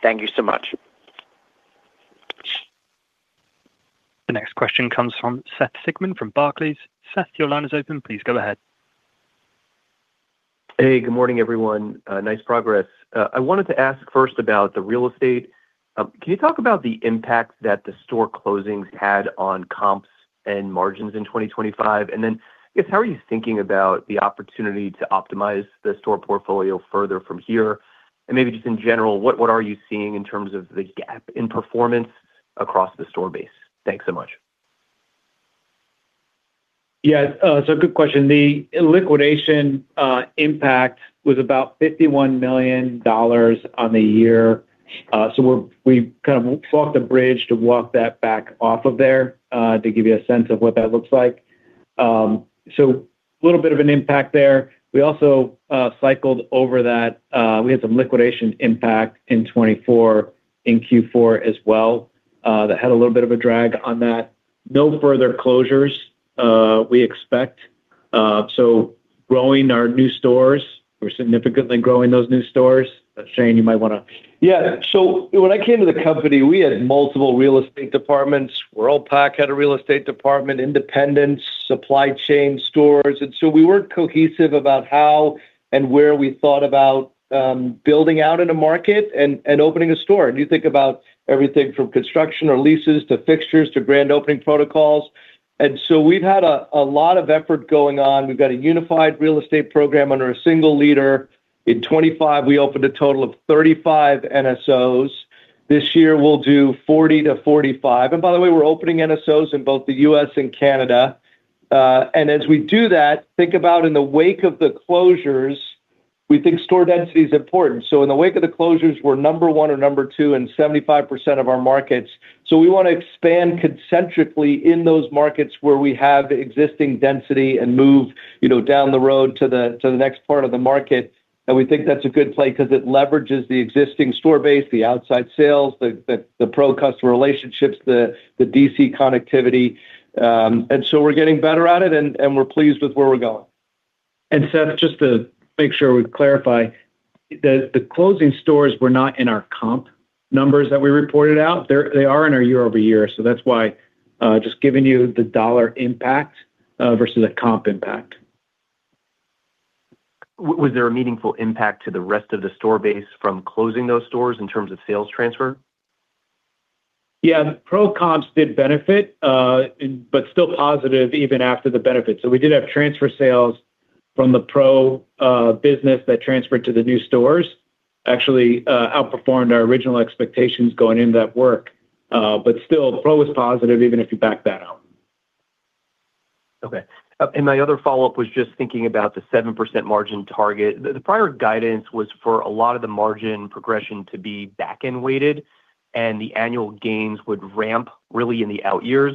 Speaker 5: Thank you so much.
Speaker 1: The next question comes from Seth Sigman from Barclays. Seth, your line is open. Please go ahead.
Speaker 6: Hey, good morning, everyone. Nice progress. I wanted to ask first about the real estate. Can you talk about the impact that the store closings had on comps and margins in 2025? And then, I guess, how are you thinking about the opportunity to optimize the store portfolio further from here? And maybe just in general, what, what are you seeing in terms of the gap in performance across the store base? Thanks so much.
Speaker 4: Yeah, so good question. The liquidation impact was about $51 million on the year. So we're we kind of walked a bridge to walk that back off of there, to give you a sense of what that looks like. So a little bit of an impact there. We also cycled over that. We had some liquidation impact in 2024, in Q4 as well, that had a little bit of a drag on that. No further closures, we expect. So growing our new stores, we're significantly growing those new stores. Shane, you might wanna-
Speaker 3: Yeah. So when I came to the company, we had multiple real estate departments. Worldpac had a real estate department, independent supply chain stores. And so we weren't cohesive about how and where we thought about, building out in a market and opening a store. You think about everything from construction or leases to fixtures to grand opening protocols. And so we've had a lot of effort going on. We've got a unified real estate program under a single leader. In 2025, we opened a total of 35 NSOs. This year, we'll do 40-45. And by the way, we're opening NSOs in both the U.S. and Canada. And as we do that, think about in the wake of the closures, we think store density is important. So in the wake of the closures, we're number one or number two in 75% of our markets. So we wanna expand concentrically in those markets where we have existing density and move, you know, down the road to the next part of the market. And we think that's a good play 'cause it leverages the existing store base, the outside sales, the pro customer relationships, the DC connectivity. And so we're getting better at it, and we're pleased with where we're going.
Speaker 4: Seth, just to make sure we clarify, the closing stores were not in our comp numbers that we reported out. They're in our year-over-year, so that's why, just giving you the dollar impact, versus a comp impact.
Speaker 6: Was there a meaningful impact to the rest of the store base from closing those stores in terms of sales transfer?
Speaker 4: Yeah. Pro comps did benefit, but still positive even after the benefit. So we did have transfer sales from the pro business that transferred to the new stores. Actually, outperformed our original expectations going into that work, but still, pro was positive, even if you back that out.
Speaker 6: Okay. And my other follow-up was just thinking about the 7% margin target. The prior guidance was for a lot of the margin progression to be back-end weighted, and the annual gains would ramp really in the out years.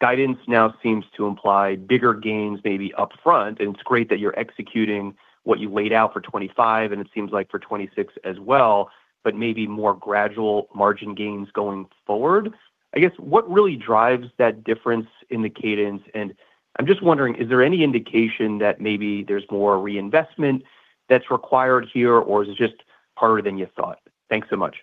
Speaker 6: Guidance now seems to imply bigger gains maybe upfront, and it's great that you're executing what you laid out for 2025, and it seems like for 2026 as well, but maybe more gradual margin gains going forward. I guess, what really drives that difference in the cadence? And I'm just wondering, is there any indication that maybe there's more reinvestment that's required here, or is it just harder than you thought? Thanks so much.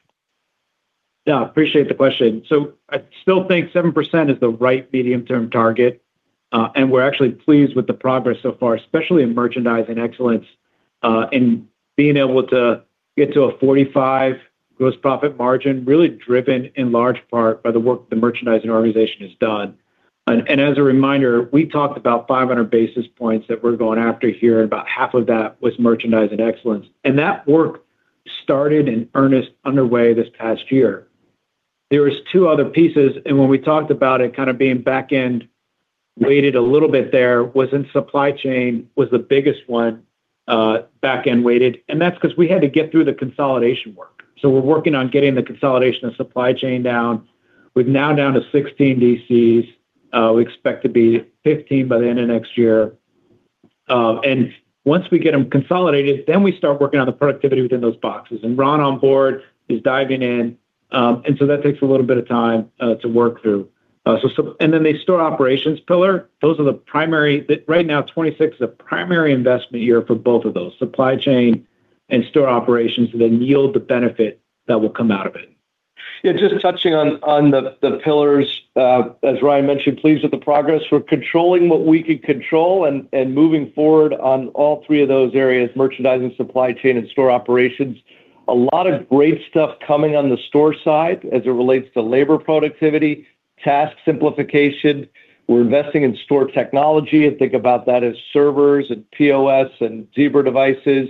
Speaker 4: Yeah, appreciate the question. So I still think 7% is the right medium-term target, and we're actually pleased with the progress so far, especially in merchandising excellence, and being able to get to a 45% gross profit margin, really driven in large part by the work the merchandising organization has done. And as a reminder, we talked about 500 basis points that we're going after here, and about half of that was merchandise and excellence. And that work started in earnest underway this past year. There was two other pieces, and when we talked about it kind of being back-end weighted a little bit there, was in supply chain was the biggest one, back-end weighted, and that's 'cause we had to get through the consolidation work. So we're working on getting the consolidation of supply chain down. We're now down to 16 DCs. We expect to be 15 by the end of next year, and once we get them consolidated, then we start working on the productivity within those boxes. And Ron on board is diving in, and so that takes a little bit of time to work through. So, and then the store operations pillar, those are the primary, the right now, 2026 is a primary investment year for both of those, supply chain and store operations, that then yield the benefit that will come out of it.
Speaker 3: Yeah, just touching on the pillars, as Ryan mentioned, pleased with the progress. We're controlling what we can control and moving forward on all three of those areas: Merchandising, supply chain, and store operations. A lot of great stuff coming on the store side as it relates to labor productivity, task simplification. We're investing in store technology, and think about that as servers and POS and Zebra devices.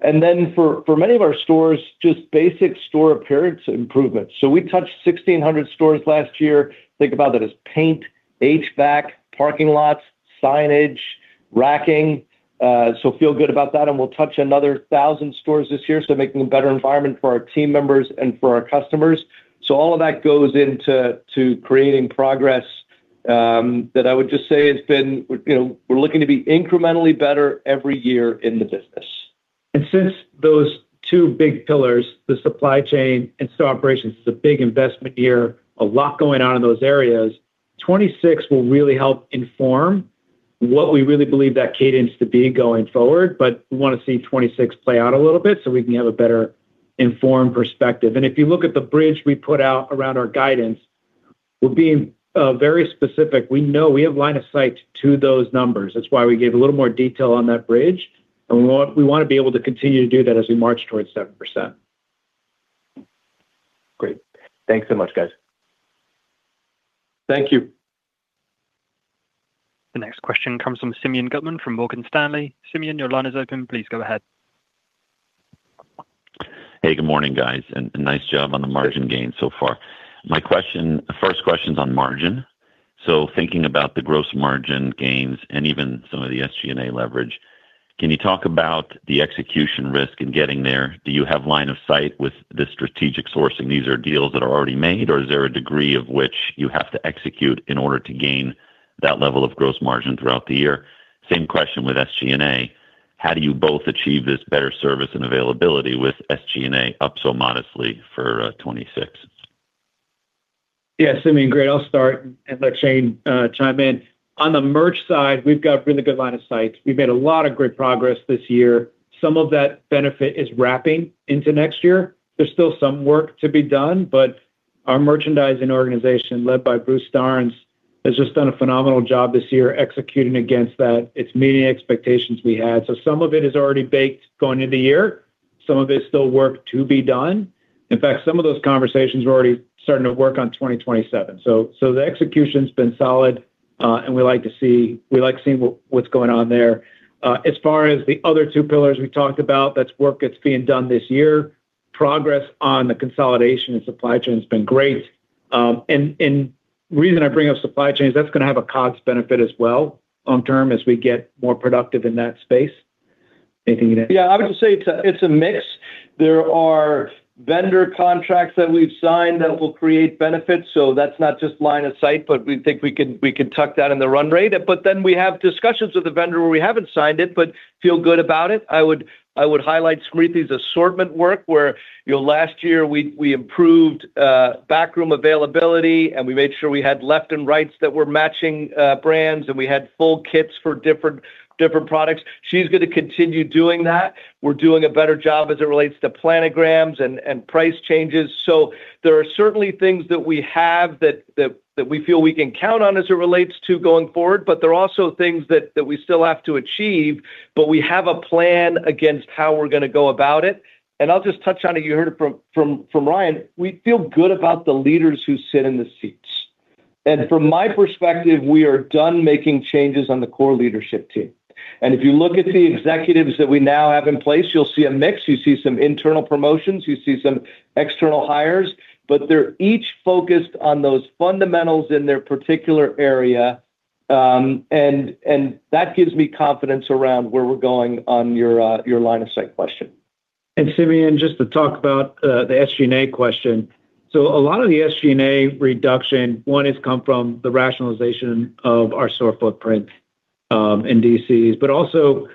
Speaker 3: And then for many of our stores, just basic store appearance improvements. So we touched 1,600 stores last year. Think about that as paint, HVAC, parking lots, signage, racking. So feel good about that, and we'll touch another 1,000 stores this year, so making a better environment for our team members and for our customers. So all of that goes into creating progress that I would just say has been, you know, we're looking to be incrementally better every year in the business.
Speaker 4: Since those two big pillars, the supply chain and store operations, is a big investment year, a lot going on in those areas, 2026 will really help inform what we really believe that cadence to be going forward. But we wanna see 2026 play out a little bit so we can have a better informed perspective. If you look at the bridge we put out around our guidance, we're being very specific. We know we have line of sight to those numbers. That's why we gave a little more detail on that bridge, and we want, we wanna be able to continue to do that as we march towards 7%.
Speaker 6: Great. Thanks so much, guys.
Speaker 4: Thank you.
Speaker 1: The next question comes from Simeon Gutman from Morgan Stanley. Simeon, your line is open. Please go ahead.
Speaker 7: Hey, good morning, guys, and nice job on the margin gain so far. My question—first question's on margin. So thinking about the gross margin gains and even some of the SG&A leverage, can you talk about the execution risk in getting there? Do you have line of sight with the strategic sourcing? These are deals that are already made, or is there a degree of which you have to execute in order to gain that level of gross margin throughout the year? Same question with SG&A: How do you both achieve this better service and availability with SG&A up so modestly for 2026?
Speaker 4: Yeah, Simeon, great. I'll start and let Shane chime in. On the merch side, we've got really good line of sight. We've made a lot of great progress this year. Some of that benefit is wrapping into next year. There's still some work to be done, but our merchandising organization, led by Bruce Starnes, has just done a phenomenal job this year executing against that. It's meeting the expectations we had. So some of it is already baked going into the year. Some of it is still work to be done. In fact, some of those conversations are already starting to work on 2027. So the execution's been solid, and we like to see, we like seeing what, what's going on there. As far as the other two pillars we talked about, that's work that's being done this year. Progress on the consolidation and supply chain has been great. And the reason I bring up supply chain, that's gonna have a cost benefit as well, long term, as we get more productive in that space. Anything you'd add?
Speaker 3: Yeah, I would just say it's a mix. There are vendor contracts that we've signed that will create benefits, so that's not just line of sight, but we think we can tuck that in the run rate. But then we have discussions with the vendor where we haven't signed it, but feel good about it. I would highlight Smriti's assortment work, where, you know, last year, we improved backroom availability, and we made sure we had left and rights that were matching brands, and we had full kits for different products. She's gonna continue doing that. We're doing a better job as it relates to planograms and price changes. There are certainly things that we have that we feel we can count on as it relates to going forward, but there are also things that we still have to achieve, but we have a plan against how we're gonna go about it. I'll just touch on it, you heard it from Ryan: We feel good about the leaders who sit in the seats. From my perspective, we are done making changes on the core leadership team. If you look at the executives that we now have in place, you'll see a mix. You see some internal promotions, you see some external hires, but they're each focused on those fundamentals in their particular area, and that gives me confidence around where we're going on your line-of-sight question.
Speaker 4: And Simeon, just to talk about the SG&A question. So a lot of the SG&A reduction, one, has come from the rationalization of our store footprint in DCs, but also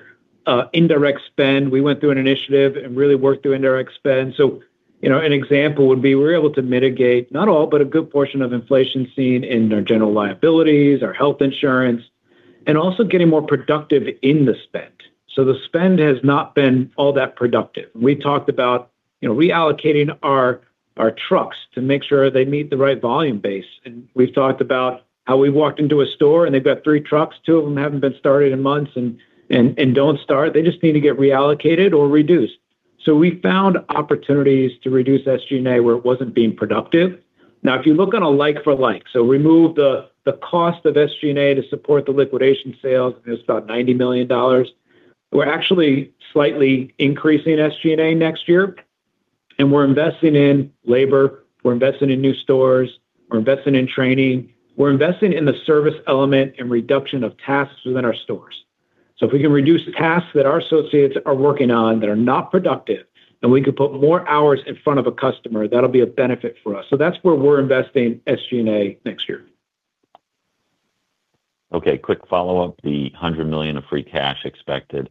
Speaker 4: indirect spend. We went through an initiative and really worked through indirect spend. So, you know, an example would be, we're able to mitigate not all, but a good portion of inflation seen in our general liabilities, our health insurance, and also getting more productive in the spend. So the spend has not been all that productive. We talked about, you know, reallocating our trucks to make sure they meet the right volume base. And we've talked about how we walked into a store, and they've got three trucks, two of them haven't been started in months and don't start. They just need to get reallocated or reduced. So we found opportunities to reduce SG&A where it wasn't being productive. Now, if you look on a like-for-like, so remove the cost of SG&A to support the liquidation sales, it's about $90 million. We're actually slightly increasing SG&A next year, and we're investing in labor, we're investing in new stores, we're investing in training. We're investing in the service element and reduction of tasks within our stores.... So if we can reduce the tasks that our associates are working on that are not productive, then we can put more hours in front of a customer, that'll be a benefit for us. So that's where we're investing SG&A next year.
Speaker 7: Okay, quick follow-up. The $100 million of free cash expected,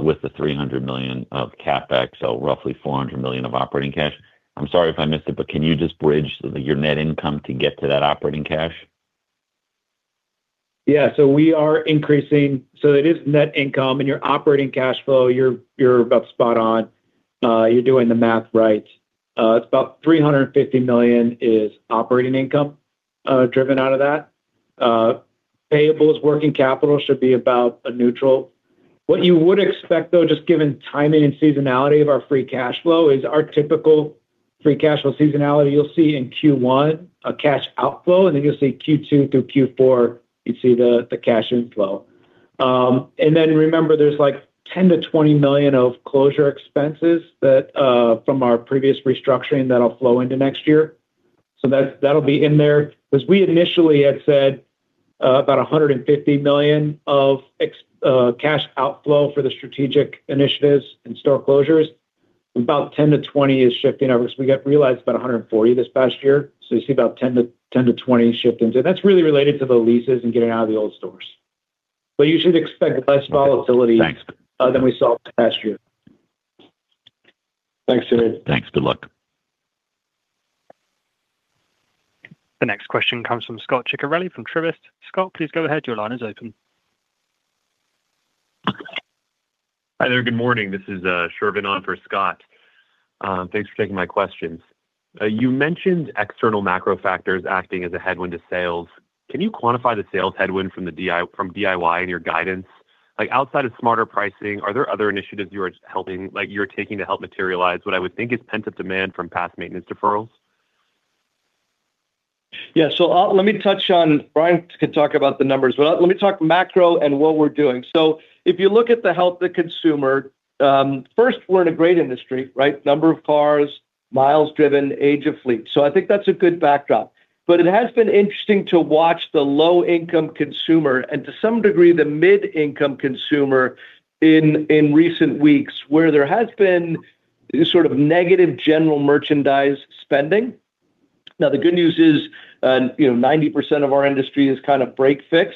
Speaker 7: with the $300 million of CapEx, so roughly $400 million of operating cash. I'm sorry if I missed it, but can you just bridge your net income to get to that operating cash?
Speaker 4: Yeah. So it is net income, and your operating cash flow, you're about spot on, you're doing the math right. It's about $350 million is operating income, driven out of that. Payables, working capital should be about neutral. What you would expect, though, just given timing and seasonality of our free cash flow, is our typical free cash flow seasonality. You'll see in Q1 a cash outflow, and then you'll see Q2 through Q4, you'd see the cash inflow. And then remember, there's like $10 million-$20 million of closure expenses that from our previous restructuring that'll flow into next year. So that, that'll be in there. Because we initially had said about $150 million of cash outflow for the strategic initiatives and store closures. About $10 million-$20 million is shifting over. So we got realized about $140 million this past year, so you see about $10 million to, $10 million-$20 million shift into it. That's really related to the leases and getting out of the old stores. But you should expect less volatility-
Speaker 7: Thanks.
Speaker 4: than we saw last year. Thanks, Simeon.
Speaker 7: Thanks. Good luck.
Speaker 1: The next question comes from Scot Ciccarelli from Truist. Scot, please go ahead. Your line is open.
Speaker 8: Hi there. Good morning. This is Shervin on for Scot. Thanks for taking my questions. You mentioned external macro factors acting as a headwind to sales. Can you quantify the sales headwind from DIY and your guidance? Like, outside of smarter pricing, are there other initiatives you're taking to help materialize what I would think is pent-up demand from past maintenance deferrals?
Speaker 3: Yeah. So I'll-- let me touch on... Ryan can talk about the numbers, but let me talk macro and what we're doing. So if you look at the health of the consumer, first, we're in a great industry, right? Number of cars, miles driven, age of fleet. So I think that's a good backdrop. But it has been interesting to watch the low-income consumer, and to some degree, the mid-income consumer in recent weeks, where there has been this sort of negative general merchandise spending. Now, the good news is, you know, 90% of our industry is kind of break, fix,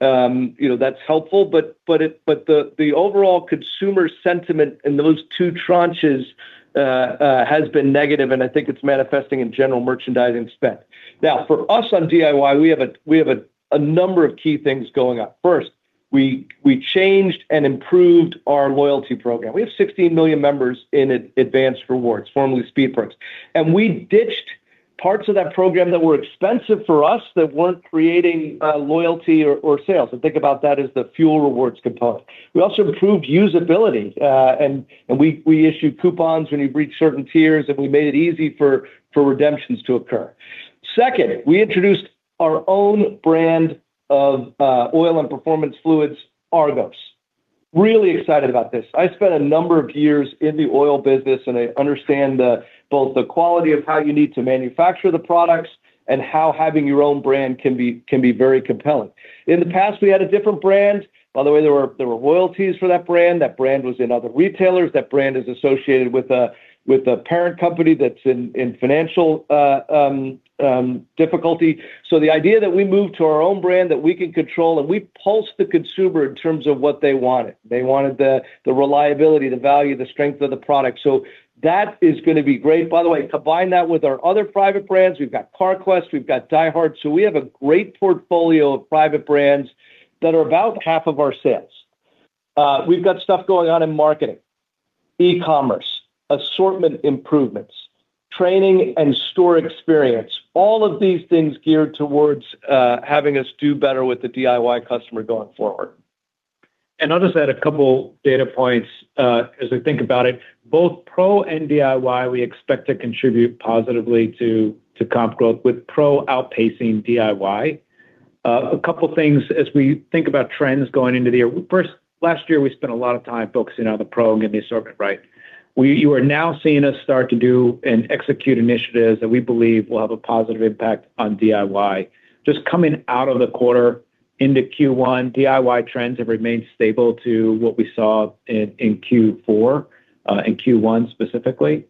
Speaker 3: and so, you know, that's helpful. But the overall consumer sentiment in those two tranches has been negative, and I think it's manifesting in general merchandising spend. Now, for us on DIY, we have a number of key things going on. First, we changed and improved our loyalty program. We have 16 million members in Advanced Rewards, formerly Speed Perks, and we ditched parts of that program that were expensive for us, that weren't creating loyalty or sales. So think about that as the fuel rewards component. We also improved usability and we issued coupons when you reach certain tiers, and we made it easy for redemptions to occur. Second, we introduced our own brand of oil and performance fluids, ARGOS. Really excited about this. I spent a number of years in the oil business, and I understand both the quality of how you need to manufacture the products and how having your own brand can be very compelling. In the past, we had a different brand. By the way, there were royalties for that brand. That brand was in other retailers. That brand is associated with a parent company that's in financial difficulty. So the idea that we moved to our own brand, that we can control, and we pulsed the consumer in terms of what they wanted. They wanted the reliability, the value, the strength of the product. So that is gonna be great. By the way, combine that with our other private brands. We've got Carquest, we've got DieHard, so we have a great portfolio of private brands that are about half of our sales. We've got stuff going on in marketing, e-commerce, assortment improvements, training and store experience, all of these things geared towards having us do better with the DIY customer going forward.
Speaker 4: I'll just add a couple data points, as I think about it. Both pro and DIY, we expect to contribute positively to comp growth, with pro outpacing DIY. A couple of things as we think about trends going into the year. First, last year, we spent a lot of time focusing on the Pro and getting the assortment right. You are now seeing us start to do and execute initiatives that we believe will have a positive impact on DIY. Just coming out of the quarter into Q1, DIY trends have remained stable to what we saw in Q4, in Q1 specifically.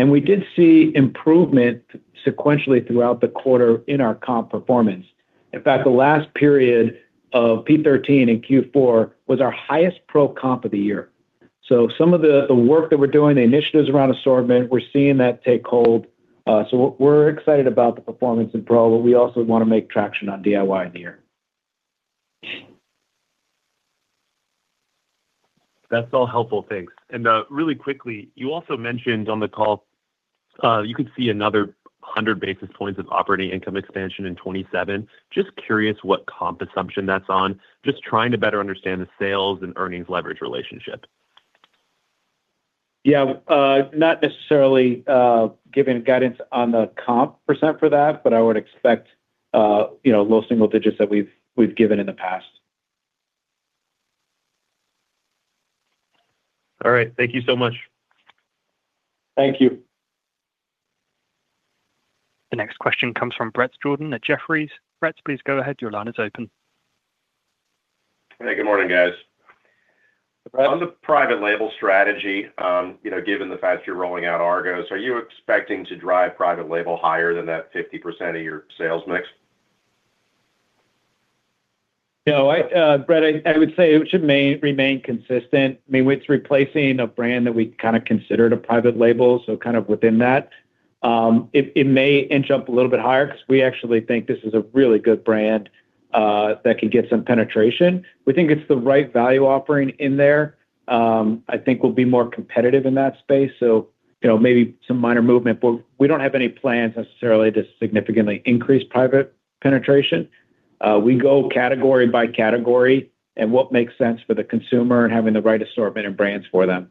Speaker 4: We did see improvement sequentially throughout the quarter in our comp performance. In fact, the last period of P-13 in Q4 was our highest pro comp of the year. So some of the work that we're doing, the initiatives around assortment, we're seeing that take hold. So we're excited about the performance in pro, but we also want to make traction on DIY in the year.
Speaker 8: That's all helpful. Thanks. And, really quickly, you also mentioned on the call, you could see another 100 basis points of operating income expansion in 2027. Just curious what comp assumption that's on. Just trying to better understand the sales and earnings leverage relationship.
Speaker 4: Yeah, not necessarily giving guidance on the comp percent for that, but I would expect, you know, low-single digits that we've given in the past.
Speaker 8: All right. Thank you so much.
Speaker 3: Thank you.
Speaker 1: The next question comes from Bret Jordan at Jefferies. Bret, please go ahead. Your line is open.
Speaker 9: Hey, good morning, guys. On the private label strategy, you know, given the fact you're rolling out ARGOS, are you expecting to drive private label higher than that 50% of your sales mix?
Speaker 4: No, Bret, I would say it should remain consistent. I mean, it's replacing a brand that we kind of considered a private label, so kind of within that. It may inch up a little bit higher because we actually think this is a really good brand that can get some penetration. We think it's the right value offering in there. I think we'll be more competitive in that space, so you know, maybe some minor movement. But we don't have any plans necessarily to significantly increase private penetration. We go category by category, and what makes sense for the consumer and having the right assortment of brands for them.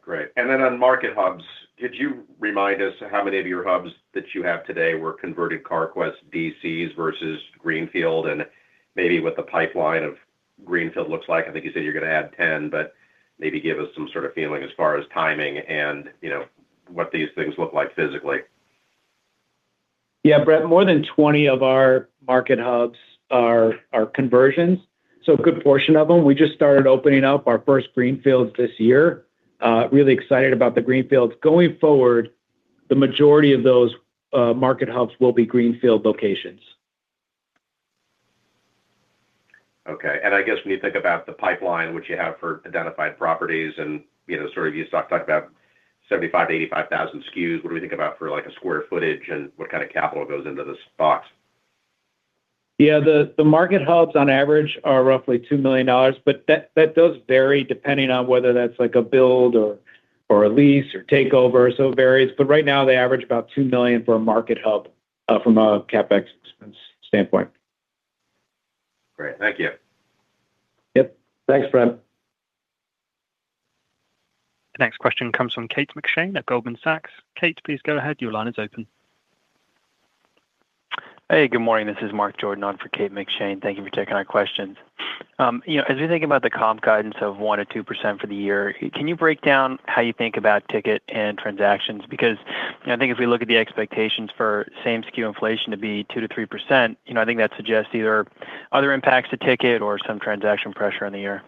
Speaker 9: Great. And then on market hubs, could you remind us how many of your hubs that you have today were converted Carquest DCs versus greenfield, and maybe what the pipeline of greenfield looks like? I think you said you're gonna add 10, but maybe give us some sort of feeling as far as timing and, you know, what these things look like physically.
Speaker 4: Yeah, Bret, more than 20 of our market hubs are conversions, so a good portion of them. We just started opening up our first greenfields this year. Really excited about the greenfields. Going forward, the majority of those market hubs will be greenfield locations.
Speaker 9: Okay. I guess when you think about the pipeline, which you have for identified properties and, you know, sort of you talked about 75,000-85,000 SKUs, what do we think about for, like, a square footage, and what kind of capital goes into this box?
Speaker 4: Yeah, the market hubs on average are roughly $2 million, but that does vary depending on whether that's, like, a build or a lease or takeover, so it varies. But right now they average about $2 million for a market hub from a CapEx expense standpoint.
Speaker 9: Great. Thank you.
Speaker 4: Yep. Thanks, Bret.
Speaker 1: The next question comes from Kate McShane at Goldman Sachs. Kate, please go ahead. Your line is open.
Speaker 10: Hey, good morning. This is Mark Jordan on for Kate McShane. Thank you for taking our questions. You know, as we think about the comp guidance of 1%-2% for the year, can you break down how you think about ticket and transactions? Because I think if we look at the expectations for same-SKU inflation to be 2%-3%, you know, I think that suggests either other impacts to ticket or some transaction pressure on the year.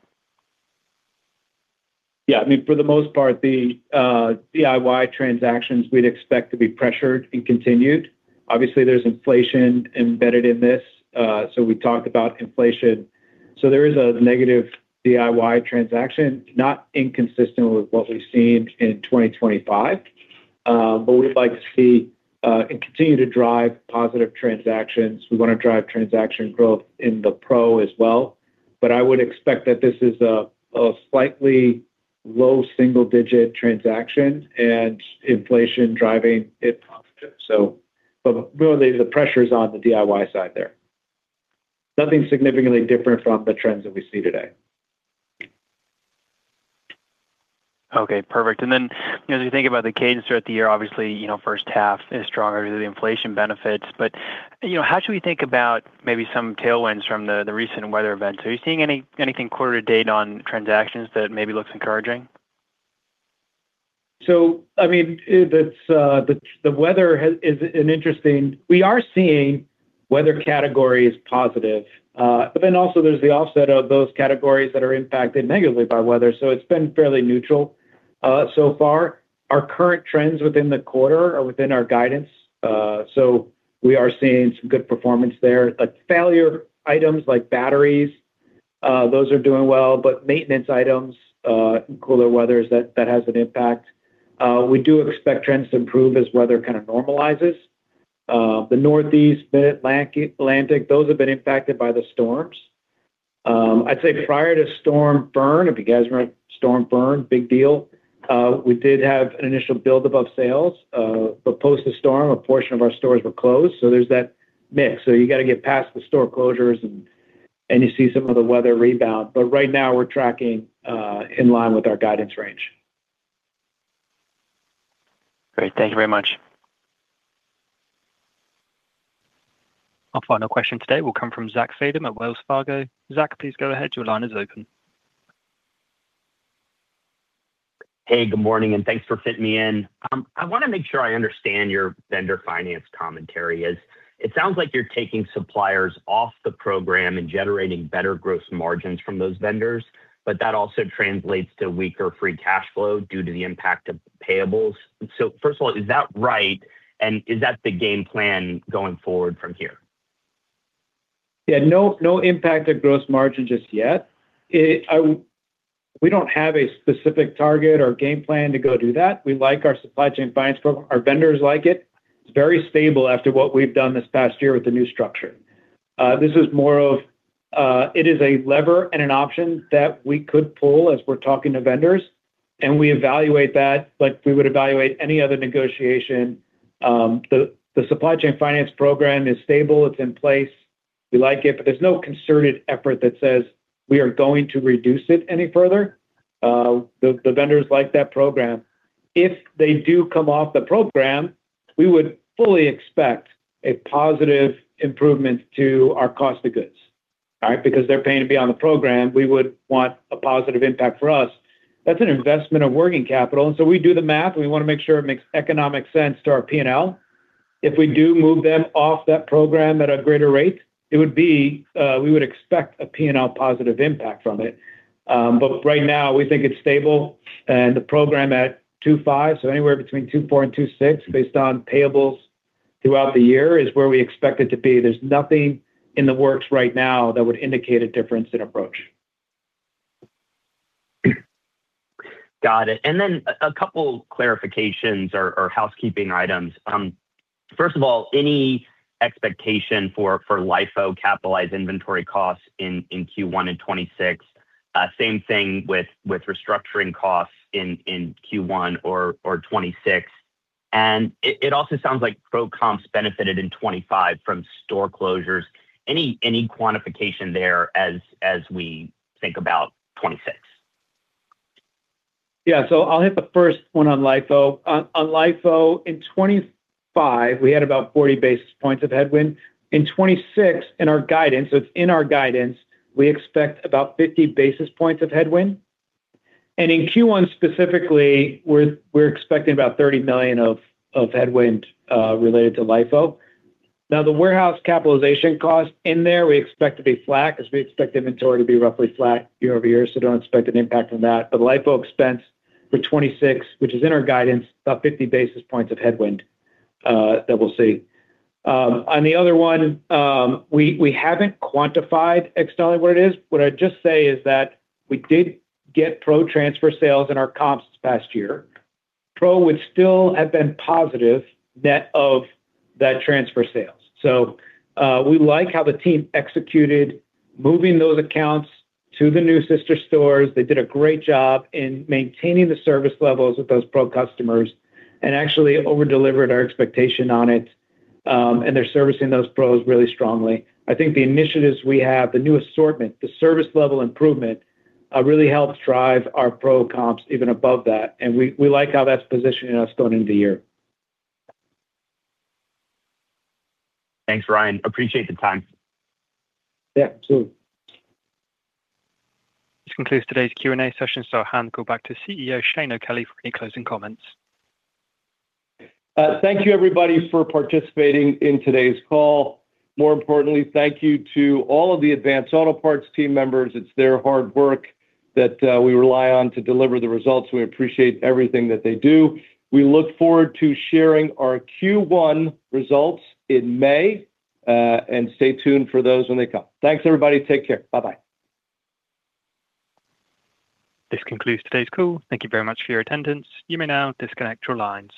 Speaker 4: Yeah, I mean, for the most part, the DIY transactions we'd expect to be pressured and continued. Obviously, there's inflation embedded in this. So we talked about inflation. So there is a negative DIY transaction, not inconsistent with what we've seen in 2025. But we'd like to see and continue to drive positive transactions. We wanna drive transaction growth in the pro as well. But I would expect that this is a slightly low single-digit transaction and inflation driving it positive. So but really, the pressure is on the DIY side there. Nothing significantly different from the trends that we see today.
Speaker 10: Okay, perfect. And then, you know, as you think about the cadence throughout the year, obviously, you know, first half is stronger, the inflation benefits. But, you know, how should we think about maybe some tailwinds from the, the recent weather events? Are you seeing anything quarter to date on transactions that maybe looks encouraging?
Speaker 4: So, I mean, the weather is an interesting... We are seeing weather categories positive, but then also there's the offset of those categories that are impacted negatively by weather, so it's been fairly neutral, so far. Our current trends within the quarter are within our guidance, so we are seeing some good performance there. But failure items like batteries, those are doing well, but maintenance items, cooler weathers, that has an impact. We do expect trends to improve as weather kind of normalizes. The Northeast, the Atlantic, those have been impacted by the storms. I'd say prior to Storm Fern, if you guys remember Storm Fern, big deal, we did have an initial build above sales, but post the storm, a portion of our stores were closed, so there's that mix. So you got to get past the store closures and you see some of the weather rebound. But right now we're tracking in line with our guidance range.
Speaker 10: Great. Thank you very much.
Speaker 1: Our final question today will come from Zach Fadem at Wells Fargo. Zach, please go ahead. Your line is open.
Speaker 11: Hey, good morning, and thanks for fitting me in. I wanna make sure I understand your vendor finance commentary as it sounds like you're taking suppliers off the program and generating better gross margins from those vendors, but that also translates to weaker free cash flow due to the impact of payables. So first of all, is that right? And is that the game plan going forward from here?
Speaker 4: Yeah, no, no impact to gross margin just yet. It, we don't have a specific target or game plan to go do that. We like our supply chain finance program. Our vendors like it. It's very stable after what we've done this past year with the new structure. This is more of, it is a lever and an option that we could pull as we're talking to vendors, and we evaluate that, like we would evaluate any other negotiation. The supply chain finance program is stable. It's in place. We like it, but there's no concerted effort that says we are going to reduce it any further. The vendors like that program. If they do come off the program, we would fully expect a positive improvement to our cost of goods. All right? Because they're paying to be on the program, we would want a positive impact for us. That's an investment of working capital, and so we do the math, and we want to make sure it makes economic sense to our P&L. If we do move them off that program at a greater rate, it would be, we would expect a P&L positive impact from it. But right now, we think it's stable, and the program at 2.5, so anywhere between 2.4-2.6, based on payables throughout the year, is where we expect it to be. There's nothing in the works right now that would indicate a difference in approach.
Speaker 11: Got it. And then a couple clarifications or housekeeping items. First of all, any expectation for LIFO capitalized inventory costs in Q1 and 2026? Same thing with restructuring costs in Q1 or 2026. And it also sounds like pro comps benefited in 2025 from store closures. Any quantification there as we think about 2026?
Speaker 4: Yeah. So I'll hit the first one on LIFO. On LIFO, in 2025, we had about 40 basis points of headwind. In 2026, in our guidance, so it's in our guidance, we expect about 50 basis points of headwind. And in Q1, specifically, we're expecting about $30 million of headwind related to LIFO. Now, the warehouse capitalization cost in there, we expect to be flat, as we expect inventory to be roughly flat year-over-year, so don't expect an impact on that. But the LIFO expense for 2026, which is in our guidance, about 50 basis points of headwind, that we'll see. On the other one, we haven't quantified exactly what it is. What I'd just say is that we did get pro transfer sales in our comps this past year. Pro would still have been positive, net of that transfer sales. So, we like how the team executed, moving those accounts to the new sister stores. They did a great job in maintaining the service levels with those pro customers and actually over-delivered our expectation on it, and they're servicing those pros really strongly. I think the initiatives we have, the new assortment, the service level improvement, really helps drive our pro comps even above that, and we like how that's positioning us going into the year.
Speaker 11: Thanks, Ryan. Appreciate the time.
Speaker 4: Yeah, absolutely.
Speaker 1: This concludes today's Q&A session. So I'll hand it back to CEO, Shane O'Kelly, for any closing comments.
Speaker 3: Thank you, everybody, for participating in today's call. More importantly, thank you to all of the Advance Auto Parts team members. It's their hard work that we rely on to deliver the results. We appreciate everything that they do. We look forward to sharing our Q1 results in May, and stay tuned for those when they come. Thanks, everybody. Take care. Bye-bye.
Speaker 1: This concludes today's call. Thank you very much for your attendance. You may now disconnect your line.